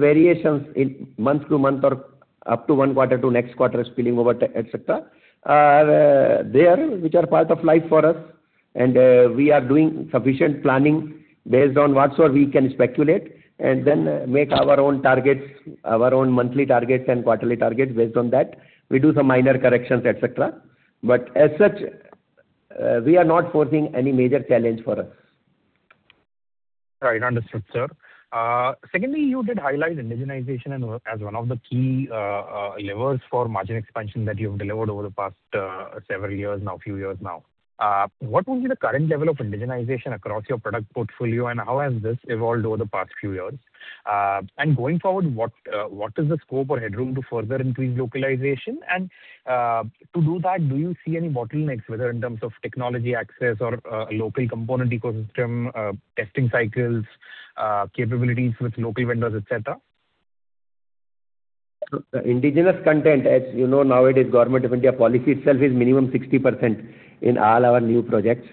variations in month to month or up to one quarter to next quarter spilling over, et cetera, are there, which are part of life for us. We are doing sufficient planning based on whatsoever we can speculate and make our own targets, our own monthly targets and quarterly targets based on that. We do some minor corrections, et cetera. As such, we are not foreseeing any major challenge for us. Right. Understood, sir. Secondly, you did highlight indigenization as one of the key levers for margin expansion that you've delivered over the past several years now, few years now. What would be the current level of indigenization across your product portfolio, and how has this evolved over the past few years? Going forward, what is the scope or headroom to further increase localization? To do that, do you see any bottlenecks, whether in terms of technology access or local component ecosystem, testing cycles, capabilities with local vendors, et cetera? The indigenous content, as you know, nowadays, government of India policy itself is minimum 60% in all our new projects.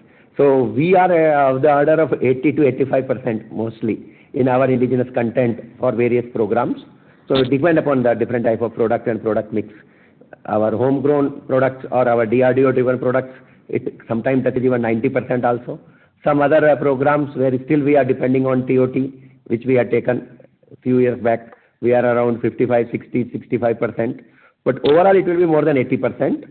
We are of the order of 80%-85% mostly in our indigenous content for various programs. It depends upon the different type of product and product mix. Our homegrown products or our DRDO-driven products, sometimes that is even 90% also. Some other programs where still we are depending on TOT, which we had taken a few years back, we are around 55%, 60%, 65%. Overall, it will be more than 80%.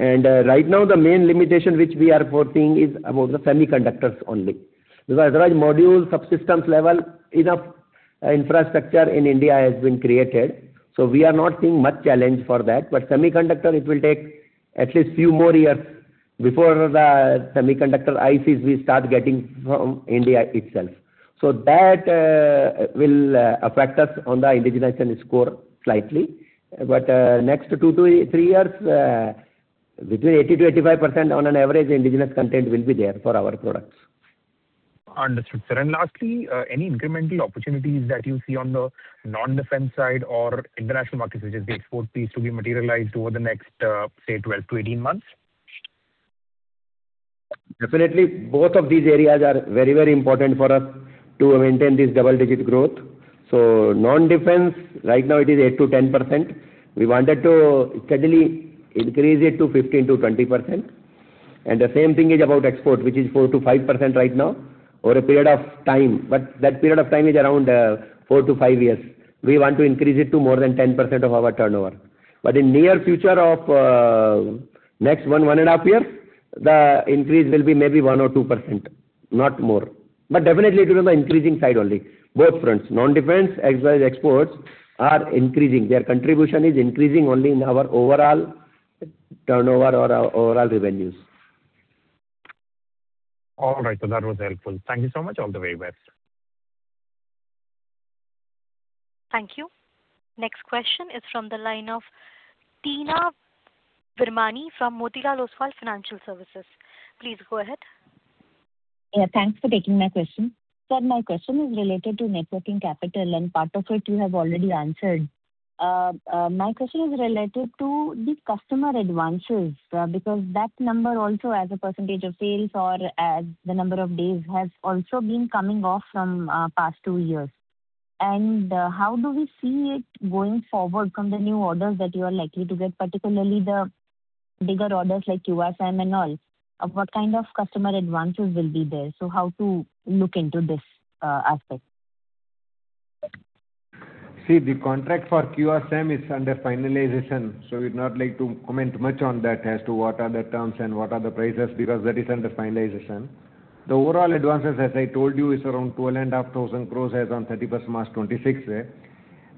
Right now, the main limitation which we are foreseeing is about the semiconductors only. Because otherwise module subsystems level, enough infrastructure in India has been created, so we are not seeing much challenge for that. Semiconductor, it will take at least few more years before the semiconductor ICs we start getting from India itself. That will affect us on the indigenization score slightly. Next two to three years, between 80%-85% on an average indigenous content will be there for our products. Understood, sir. Lastly, any incremental opportunities that you see on the non-defense side or international markets, which is the export piece to be materialized over the next, say, 12-18 months? Definitely, both of these areas are very, very important for us to maintain this double-digit growth. Non-defense, right now it is 8%-10%. We wanted to steadily increase it to 15%-20%. The same thing is about export, which is 4%-5% right now over a period of time. That period of time is around four to five years. We want to increase it to more than 10% of our turnover. In near future of next one, one and a half years, the increase will be maybe 1% or 2%, not more. Definitely, it will be on the increasing side only, both fronts. Non-defense as well as exports are increasing. Their contribution is increasing only in our overall turnover or our overall revenues. All right. That was helpful. Thank you so much. All the very best. Thank you. Next question is from the line of Teena Virmani from Motilal Oswal Financial Services. Please go ahead. Yeah, thanks for taking my question. Sir, my question is related to net working capital, and part of it you have already answered. My question is related to the customer advances, because that number also as a percentage of sales or as the number of days has also been coming off from past two years. How do we see it going forward from the new orders that you are likely to get, particularly the bigger orders like QRSAM and all? What kind of customer advances will be there? How to look into this aspect. The contract for QRSAM is under finalization, we'd not like to comment much on that as to what are the terms and what are the prices, because that is under finalization. The overall advances, as I told you, is around 12,500 crore as on 31st March 2026.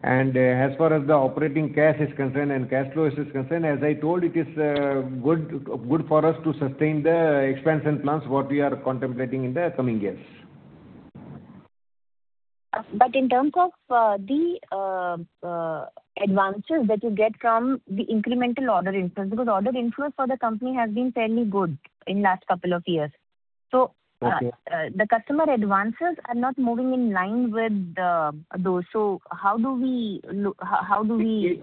As far as the operating cash is concerned and cash flows is concerned, as I told you, it is good for us to sustain the expansion plans what we are contemplating in the coming years. In terms of the advances that you get from the incremental order inflows, because order inflows for the company has been fairly good in last couple of years. Okay. The customer advances are not moving in line with those, how do we look... It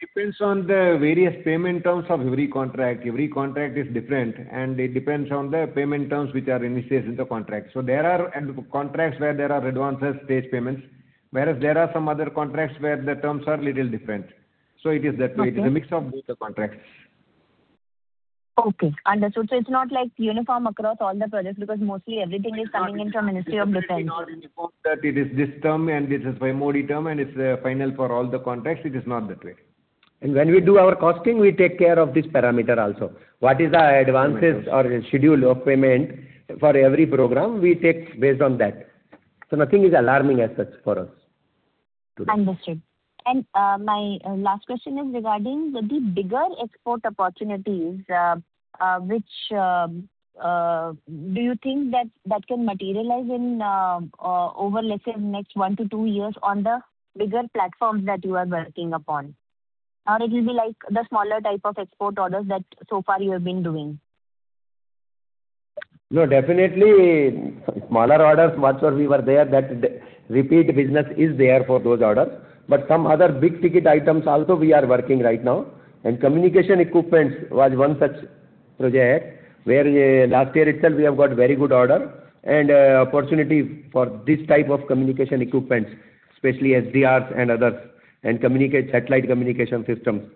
depends on the various payment terms of every contract. Every contract is different, and it depends on the payment terms which are initiated in the contract. Contracts where there are advances, staged payments, whereas there are some other contracts where the terms are little different. It is that way. Okay. It is a mix of both the contracts. Okay, understood. It's not like uniform across all the projects because mostly everything is coming into Ministry of Defence. It is not uniform that it is this term and this is by more term and it's final for all the contracts. It is not that way. When we do our costing, we take care of this parameter also. What is our advances or schedule of payment for every program, we take based on that. Nothing is alarming as such for us today. Understood. My last question is regarding the bigger export opportunities, which do you think that that can materialize in over, let's say, next one to two years on the bigger platforms that you are working upon? Or it will be like the smaller type of export orders that so far you have been doing? Definitely smaller orders, whatsoever we were there, that the repeat business is there for those orders. Some other big-ticket items also we are working right now. Communication equipments was one such project where last year itself we have got very good order and opportunity for this type of communication equipments, especially SDRs and others, satellite communication systems.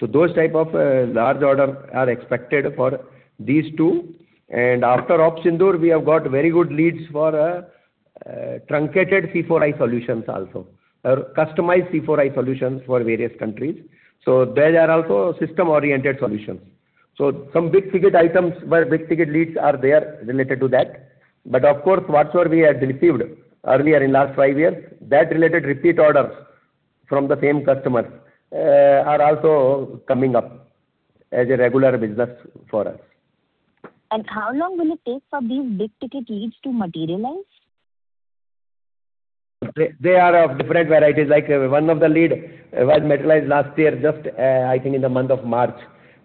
Those type of large order are expected for these two. After Operation Sindoor, we have got very good leads for truncated C4I solutions also, or customized C4I solutions for various countries. There they are also system-oriented solutions. Some big-ticket items where big-ticket leads are there related to that. Of course, whatsoever we had received earlier in last five years, that related repeat orders from the same customers are also coming up as a regular business for us. How long will it take for these big-ticket leads to materialize? They are of different varieties. Like, one of the lead was materialized last year, just, I think in the month of March.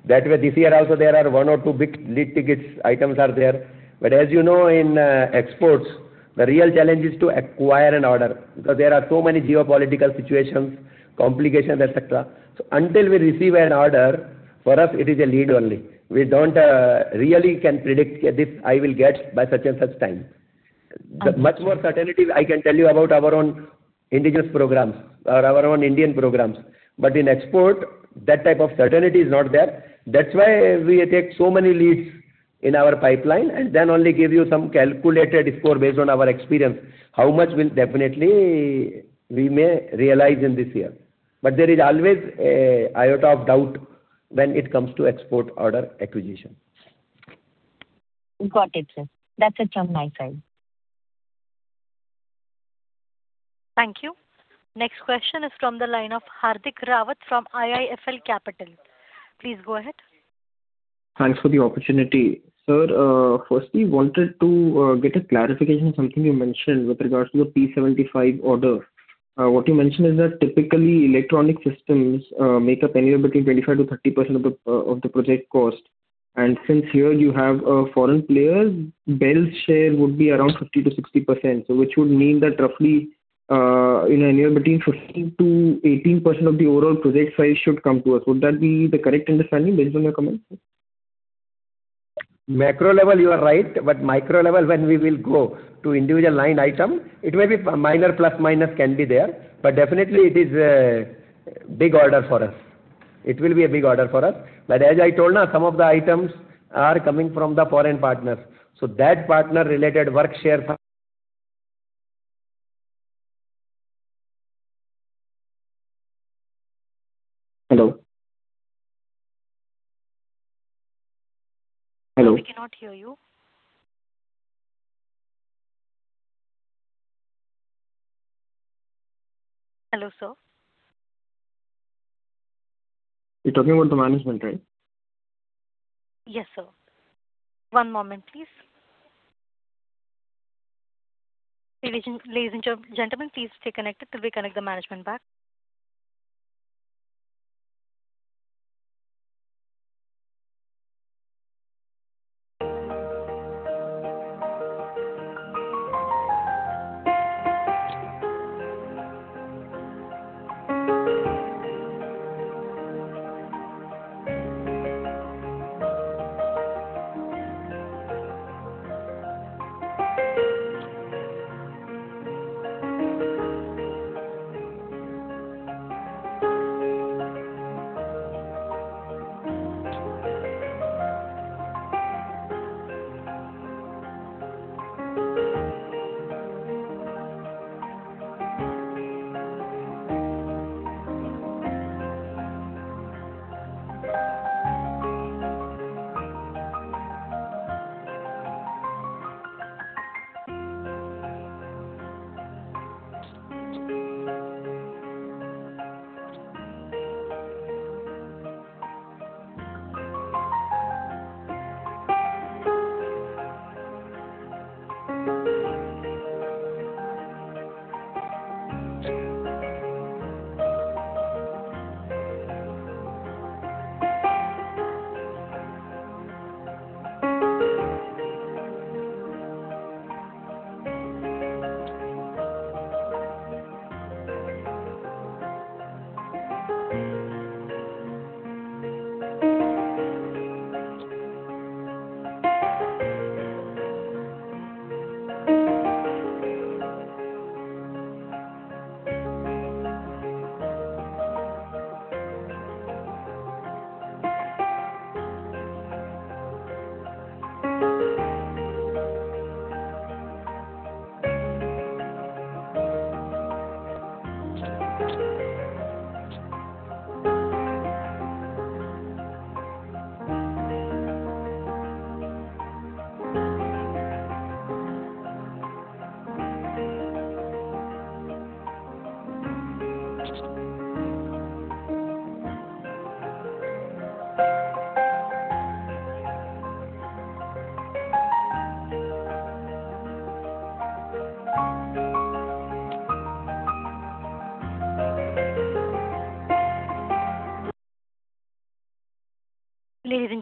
That way, this year also, there are one or two big lead tickets items are there. As you know, in exports, the real challenge is to acquire an order because there are so many geopolitical situations, complications, et cetera. Until we receive an order, for us, it is a lead only. We don't really can predict this I will get by such and such time. Understood. Much more certainty I can tell you about our own indigenous programs or our own Indian programs. In export, that type of certainty is not there. That's why we take so many leads in our pipeline and then only give you some calculated score based on our experience, how much will definitely we may realize in this year. There is always a iota of doubt when it comes to export order acquisition. Got it, sir. That's it from my side. Thank you. Next question is from the line of Hardik Rawat from IIFL Capital. Please go ahead. Thanks for the opportunity. Sir, firstly, wanted to get a clarification on something you mentioned with regards to the P-75 order. What you mentioned is that typically electronic systems make up anywhere between 25%-30% of the project cost. Since here you have a foreign player, BEL's share would be around 50%-60%. Which would mean that roughly, you know, anywhere between 15%-18% of the overall project size should come to us. Would that be the correct understanding based on your comments? Macro level, you are right. Micro level, when we will go to individual line item, it may be minor, plus, minus can be there. Definitely it is a big order for us. It will be a big order for us. As I told now, some of the items are coming from the foreign partners. That partner-related work share from- Hello? Hello? We cannot hear you. Hello, sir. You're talking about the management, right? Yes, sir. One moment please. Ladies and gentlemen, please stay connected till we connect the management back.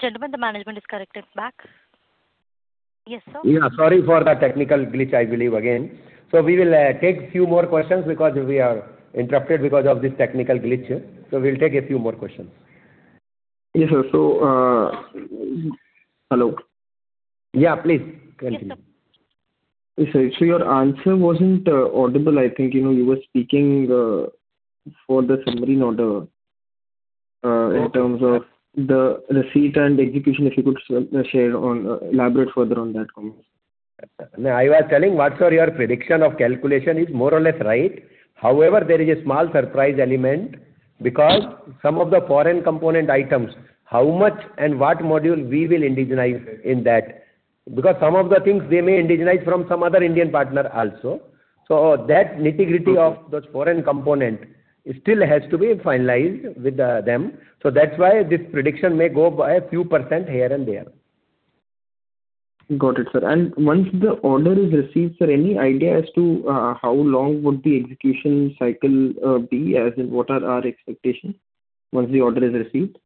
Ladies and gentlemen, the management is connected back. Yes, sir. Yeah, sorry for the technical glitch, I believe, again. We will take few more questions because we are interrupted because of this technical glitch. We'll take a few more questions. Yes, sir. Hello? Yeah, please continue. Yes, sir. Yes, sir. Your answer wasn't audible, I think. You know, you were speaking for the submarine order in terms of the receipt and execution. If you could share on elaborate further on that comment. I was telling whatsoever your prediction of calculation is more or less right. There is a small surprise element because some of the foreign component items, how much and what module we will indigenize in that. Some of the things we may indigenize from some other Indian partner also. That nitty-gritty of those foreign component still has to be finalized with them. That's why this prediction may go by a few percent here and there. Got it, sir. Once the order is received, sir, any idea as to how long would the execution cycle be? As in what are our expectations once the order is received?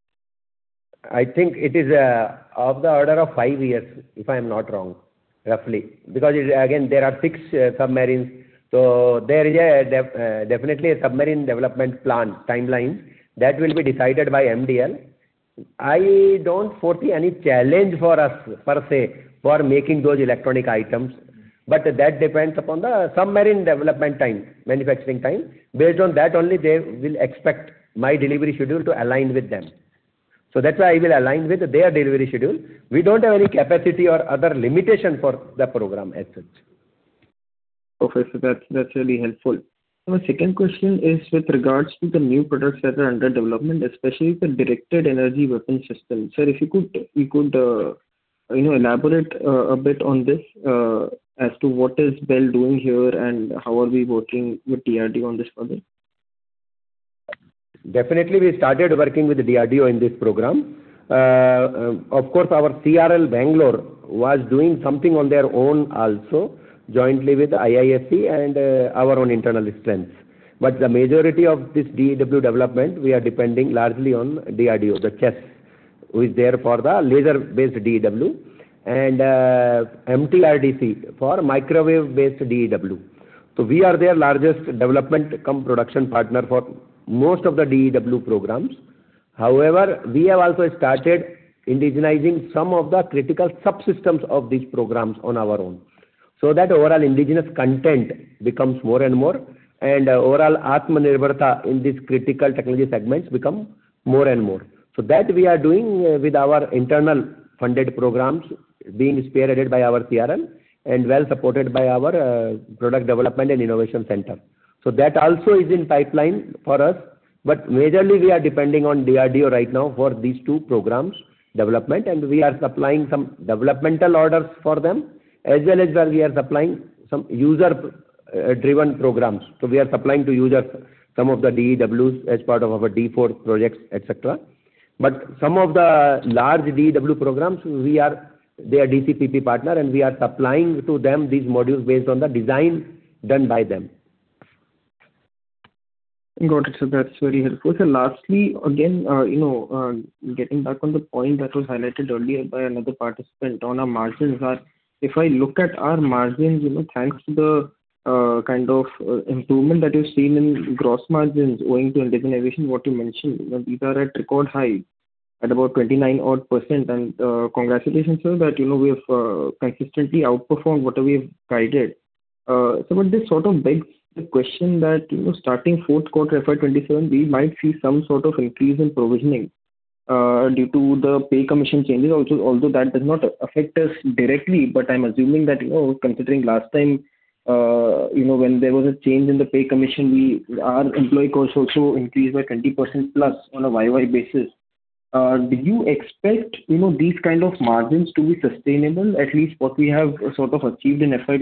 I think it is of the order of five years, if I'm not wrong, roughly. There are six submarines. There is definitely a submarine development plan timeline that will be decided by MDL. I don't foresee any challenge for us per se for making those electronic items, but that depends upon the submarine development time, manufacturing time. Based on that only they will expect my delivery schedule to align with them. That's why I will align with their delivery schedule. We don't have any capacity or other limitation for the program as such. Okay. That's really helpful. My second question is with regards to the new products that are under development, especially the Directed Energy Weapon system. Sir, if you could, you know, elaborate a bit on this as to what is BEL doing here and how are we working with DRDO on this project? Definitely, we started working with DRDO in this program. Of course, our CRL Bangalore was doing something on their own also, jointly with IISc and our own internal strengths. The majority of this DEW development, we are depending largely on DRDO, the CHESS, who is there for the laser-based DEW, and MTRDC for microwave-based DEW. We are their largest development cum production partner for most of the DEW programs. However, we have also started indigenizing some of the critical subsystems of these programs on our own, so that overall indigenous content becomes more and more, and overall Atmanirbharta in these critical technology segments become more and more. That we are doing with our internal funded programs being spearheaded by our CRL and well-supported by our Product Development & Innovation Centre. That also is in pipeline for us. Majorly we are depending on DRDO right now for these two programs development, and we are supplying some developmental orders for them, as well as, we are supplying some user-driven programs. We are supplying to users some of the DEWs as part of our D4 projects, et cetera. Some of the large DEW programs, we are their DcPP partner and we are supplying to them these modules based on the design done by them. Got it. That's very helpful. Lastly, again, you know, getting back on the point that was highlighted earlier by another participant on our margins are, if I look at our margins, you know, thanks to the kind of improvement that you've seen in gross margins owing to indigenization, what you mentioned, you know, these are at record high at about 29 odd percent. Congratulations, sir, that, you know, we have consistently outperformed what we've guided. This sort of begs the question that, you know, starting fourth quarter FY 2027, we might see some sort of increase in provisioning due to the pay commission changes. Although that does not affect us directly, but I'm assuming that, you know, considering last time, you know, when there was a change in the pay commission, our employee costs also increased by 20%+ on a YoY basis. Do you expect, you know, these kind of margins to be sustainable, at least what we have sort of achieved in FY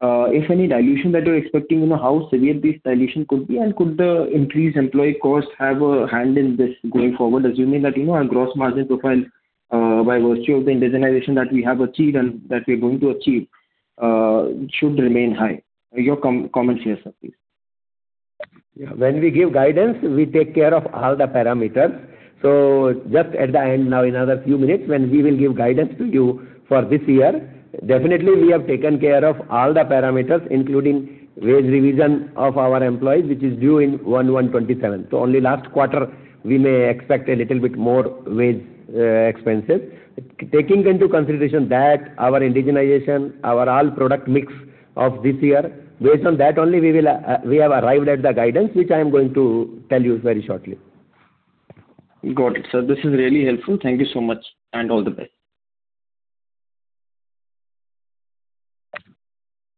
2026? If any dilution that you're expecting, you know, how severe this dilution could be? Could the increased employee costs have a hand in this going forward, assuming that, you know, our gross margin profile, by virtue of the indigenization that we have achieved and that we're going to achieve, should remain high. Your comments here, sir, please. Yeah. When we give guidance, we take care of all the parameters. Just at the end now, in another few minutes, when we will give guidance to you for this year, definitely we have taken care of all the parameters, including wage revision of our employees, which is due in 1/1/2027. Only last quarter we may expect a little bit more wage expenses. Taking into consideration that, our indigenization, our all product mix of this year, based on that only we have arrived at the guidance, which I am going to tell you very shortly. Got it, sir. This is really helpful. Thank you so much and all the best.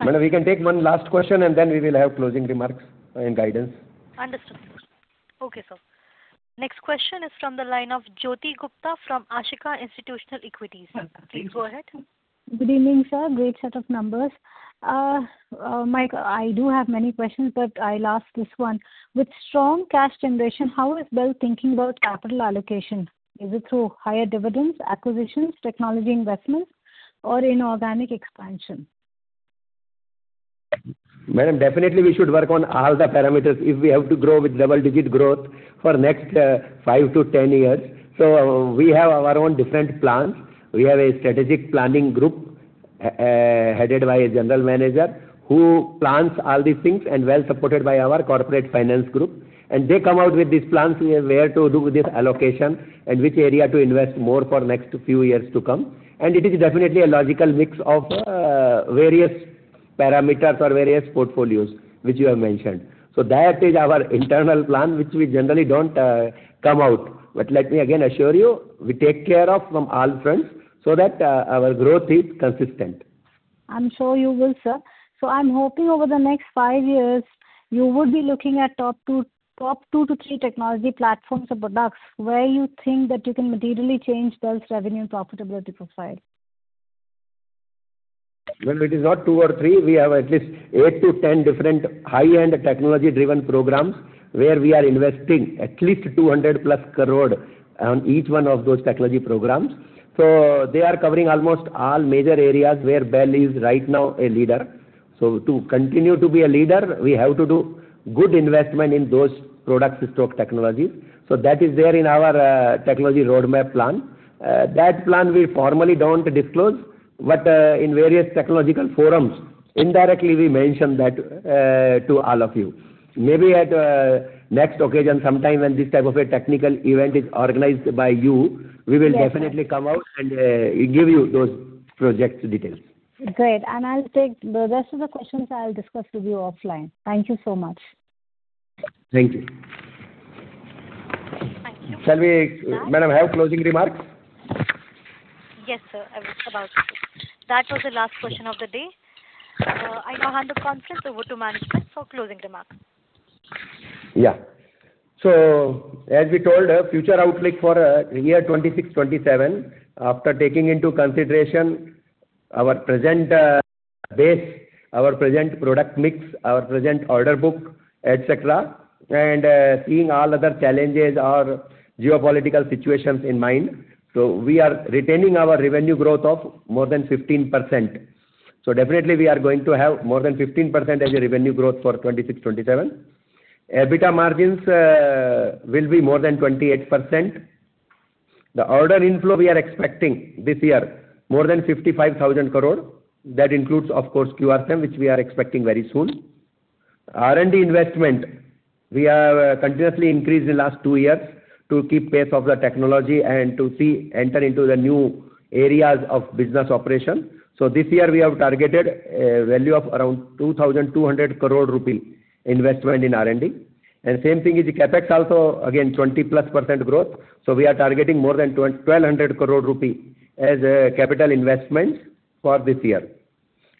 Madam, we can take one last question, and then we will have closing remarks and guidance. Understood. Okay, sir. Next question is from the line of Jyoti Gupta from Ashika Institutional Equities. Please go ahead. Good evening, sir. Great set of numbers. Manoj, I do have many questions, but I'll ask this one. With strong cash generation, how is BEL thinking about capital allocation? Is it through higher dividends, acquisitions, technology investments or inorganic expansion? Madam, definitely we should work on all the parameters if we have to grow with double-digit growth for next 5-10 years. We have our own different plans. We have a strategic planning group, headed by a general manager who plans all these things and well supported by our corporate finance group. They come out with these plans, where to do this allocation and which area to invest more for next few years to come. It is definitely a logical mix of various parameters or various portfolios which you have mentioned. That is our internal plan, which we generally don't come out. Let me again assure you, we take care of from all fronts so that our growth is consistent. I'm sure you will, sir. I'm hoping over the next five years, you would be looking at top two to three technology platforms or products where you think that you can materially change BEL's revenue and profitability profile. Well, it is not two or three. We have at least 8-10 different high-end technology-driven programs where we are investing at least 200+ crore on each one of those technology programs. They are covering almost all major areas where BEL is right now a leader. To continue to be a leader, we have to do good investment in those products stock technologies. That is there in our technology roadmap plan. That plan we formally don't disclose, but in various technological forums, indirectly we mentioned that to all of you. Maybe at next occasion, sometime when this type of a technical event is organized by you. Yes, sir. We will definitely come out and give you those projects details. Great. The rest of the questions I'll discuss with you offline. Thank you so much. Thank you. Thank you. Shall we, madam, have closing remarks? Yes, sir. I was about to. That was the last question of the day. I now hand the conference over to management for closing remarks. Yeah. As we told, future outlook for year 2026, 2027, after taking into consideration our present base, our present product mix, our present order book, et cetera, and seeing all other challenges or geopolitical situations in mind. We are retaining our revenue growth of more than 15%. Definitely we are going to have more than 15% as a revenue growth for 2026, 2027. EBITDA margins will be more than 28%. The order inflow we are expecting this year, more than 55,000 crore. That includes, of course, QRSAM, which we are expecting very soon. R&D investment, we have continuously increased in last two years to keep pace of the technology and to enter into the new areas of business operation. This year we have targeted a value of around 2,200 crore rupee investment in R&D. Same thing is CapEx also, again, 20%+ growth. We are targeting more than 1,200 crore rupee as capital investments for this year.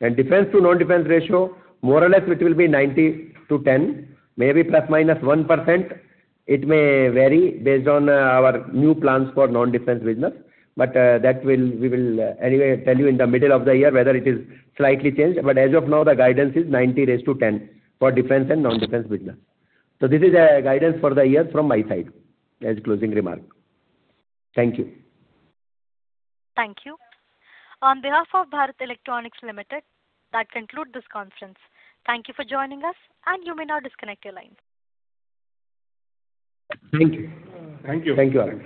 Defense to non-defense ratio, more or less it will be 90-10, maybe ±1%. It may vary based on our new plans for non-defense business. We will anyway tell you in the middle of the year whether it is slightly changed. As of now, the guidance is 90-10 for defense and non-defense business. This is a guidance for the year from my side as closing remark. Thank you. Thank you. On behalf of Bharat Electronics Limited, that conclude this conference. Thank you for joining us, and you may now disconnect your lines. Thank you. Thank you. Thank you all.